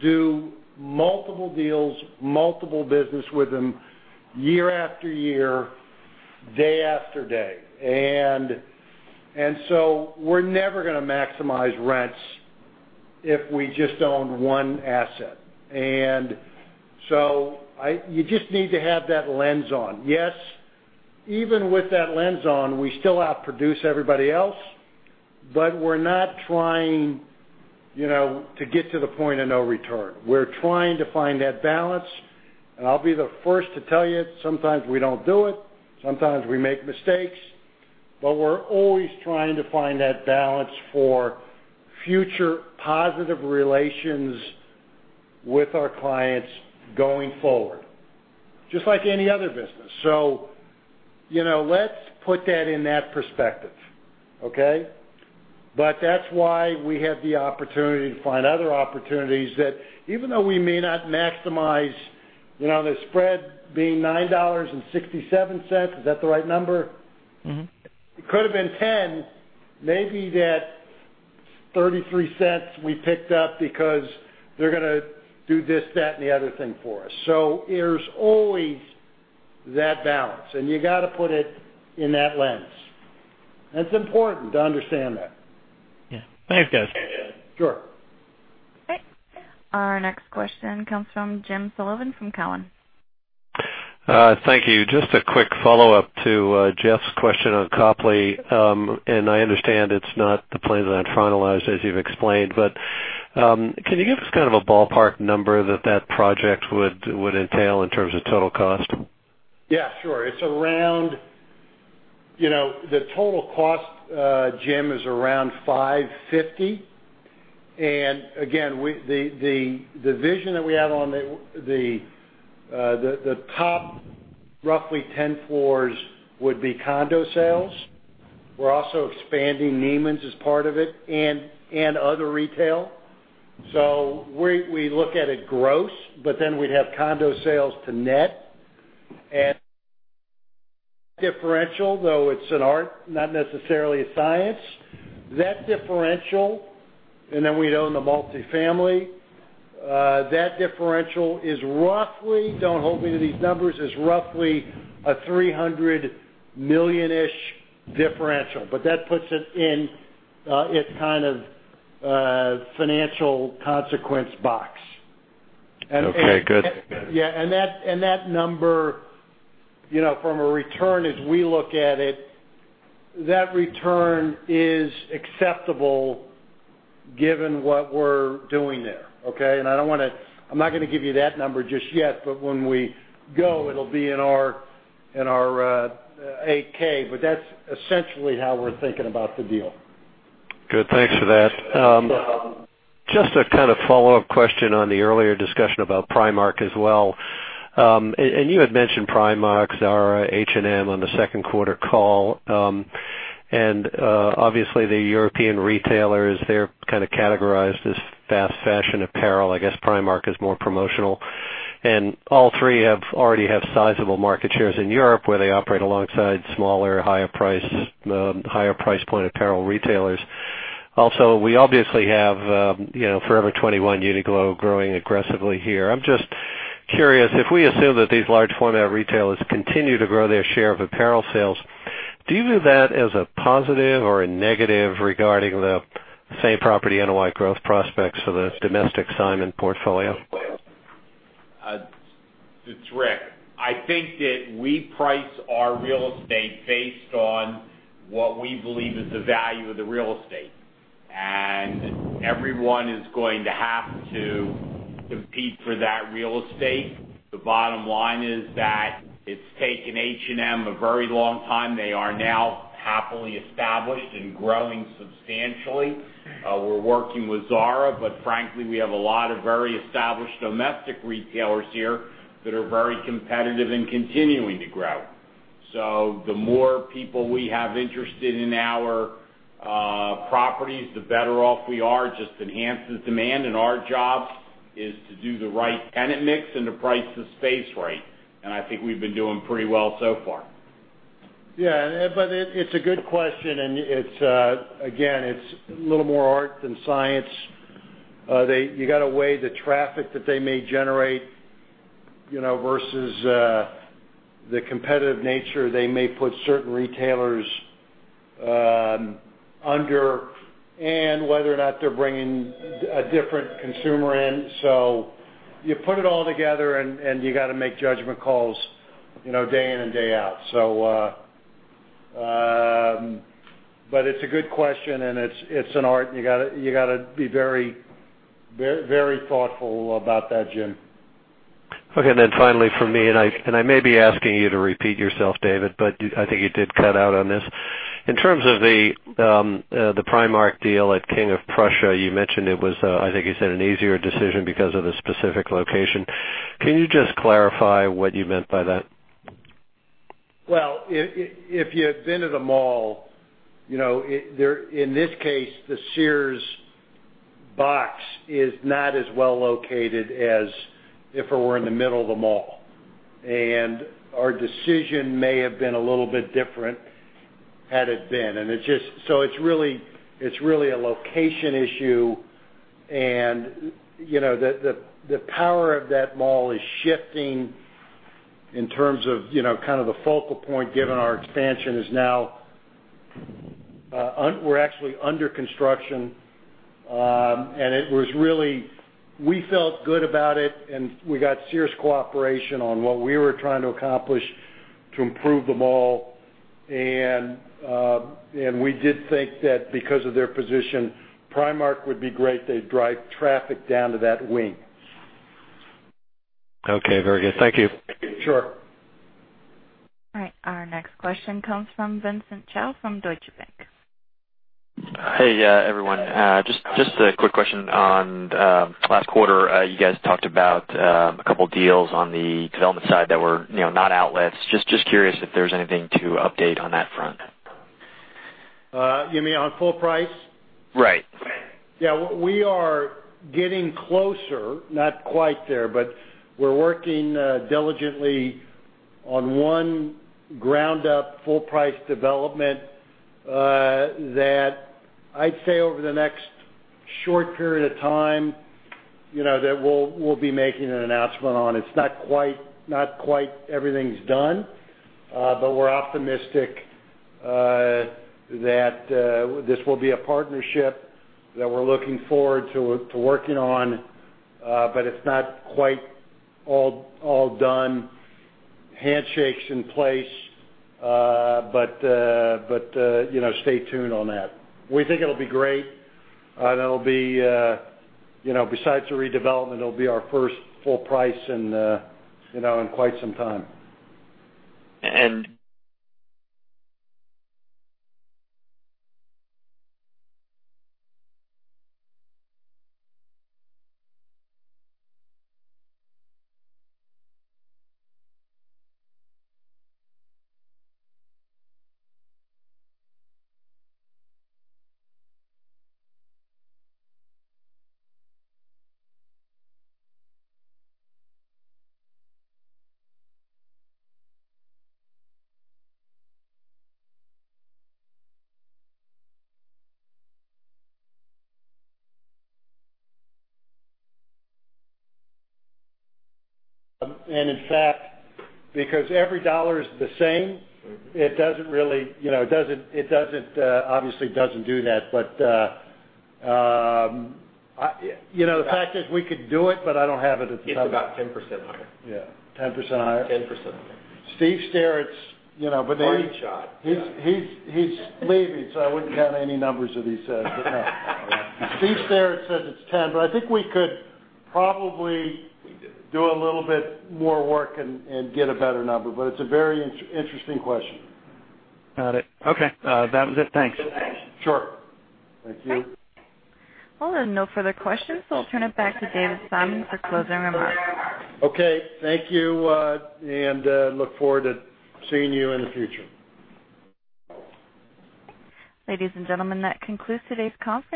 do multiple deals, multiple business with them year after year, day after day. We're never going to maximize rents if we just own one asset. You just need to have that lens on. Yes, even with that lens on, we still outproduce everybody else, but we're not trying to get to the point of no return. We're trying to find that balance, and I'll be the first to tell you, sometimes we don't do it. Sometimes we make mistakes, but we're always trying to find that balance for future positive relations with our clients going forward. Just like any other business. Let's put that in that perspective. Okay? That's why we have the opportunity to find other opportunities that even though we may not maximize the spread being $9.67, is that the right number? It could have been 10. Maybe that $0.33 we picked up because they're going to do this, that, and the other thing for us. There's always that balance, and you got to put it in that lens. That's important to understand that. Yeah. Thanks, guys. Sure. Our next question comes from Jim Sullivan from Cowen. Thank you. Just a quick follow-up to Jeff's question on Copley. I understand it's not the plans that finalized as you've explained, can you give us kind of a ballpark number that project would entail in terms of total cost? Yeah, sure. The total cost, Jim, is around $550. Again, the vision that we have on the top, roughly 10 floors would be condo sales. We're also expanding Neiman's as part of it and other retail. We look at it gross, then we'd have condo sales to net and differential, though it's an art, not necessarily a science. That differential, and then we'd own the multi-family. That differential is roughly, don't hold me to these numbers, is roughly a $300 million-ish differential. That puts it in its kind of financial consequence box. Okay, good. Yeah. That number, from a return, as we look at it, that return is acceptable given what we're doing there. Okay? I'm not going to give you that number just yet, when we go, it'll be in our 8-K. That's essentially how we're thinking about the deal. Good. Thanks for that. Just a kind of follow-up question on the earlier discussion about Primark as well. You had mentioned Primark, Zara, H&M on the second quarter call. Obviously, the European retailers, they're kind of categorized as fast fashion apparel. I guess Primark is more promotional. All three already have sizable market shares in Europe, where they operate alongside smaller, higher price point apparel retailers. We obviously have Forever 21, Uniqlo growing aggressively here. I'm just curious if we assume that these large format retailers continue to grow their share of apparel sales, do you view that as a positive or a negative regarding the same property NOI growth prospects for the domestic Simon portfolio? It's Rick. I think that we price our real estate based on what we believe is the value of the real estate. Everyone is going to have to compete for that real estate. The bottom line is that it's taken H&M a very long time. They are now happily established and growing substantially. We're working with Zara, frankly, we have a lot of very established domestic retailers here that are very competitive and continuing to grow. The more people we have interested in our properties, the better off we are. Just enhances demand, our job is to do the right tenant mix and to price the space right. I think we've been doing pretty well so far. It's a good question. Again, it's a little more art than science. You got to weigh the traffic that they may generate, versus the competitive nature they may put certain retailers under and whether or not they're bringing a different consumer in. You put it all together, you got to make judgment calls day in and day out. It's a good question, it's an art, you got to be very thoughtful about that, Jim. Finally from me, I may be asking you to repeat yourself, David, I think you did cut out on this. In terms of the Primark deal at King of Prussia, you mentioned it was, I think you said an easier decision because of the specific location. Can you just clarify what you meant by that? Well, if you've been to the mall, in this case, the Sears box is not as well located as if it were in the middle of the mall. Our decision may have been a little bit different had it been. It's really a location issue, and the power of that mall is shifting in terms of kind of the focal point given our expansion is now we're actually under construction. We felt good about it, and we got Sears' cooperation on what we were trying to accomplish to improve the mall. We did think that because of their position, Primark would be great. They'd drive traffic down to that wing. Okay, very good. Thank you. Sure. All right. Our next question comes from Vincent Chau from Deutsche Bank. Hey everyone. Just a quick question on last quarter. You guys talked about a couple deals on the development side that were not outlets. Just curious if there's anything to update on that front. You mean on full price? Right. Yeah. We are getting closer. Not quite there, but we're working diligently on one ground up full price development that I'd say over the next short period of time, that we'll be making an announcement on. It's not quite everything's done, but we're optimistic that this will be a partnership that we're looking forward to working on, but it's not quite all done. Handshake's in place, but stay tuned on that. We think it'll be great. Besides the redevelopment, it'll be our first full price in quite some time. In fact, because every dollar is the same, it obviously doesn't do that. The fact is, we could do it, but it's about 10% higher. Yeah. 10% higher? 10% higher. Party shot. Yeah. He's leaving, so I wouldn't count any numbers that he says, but no. Stephen Sterrett says it's 10, I think we could probably do a little bit more work and get a better number. It's a very interesting question. Got it. Okay. That was it. Thanks. Sure. Thank you. There are no further questions, I'll turn it back to David Simon for closing remarks. Okay. Thank you, and look forward to seeing you in the future. Ladies and gentlemen, that concludes today's conference.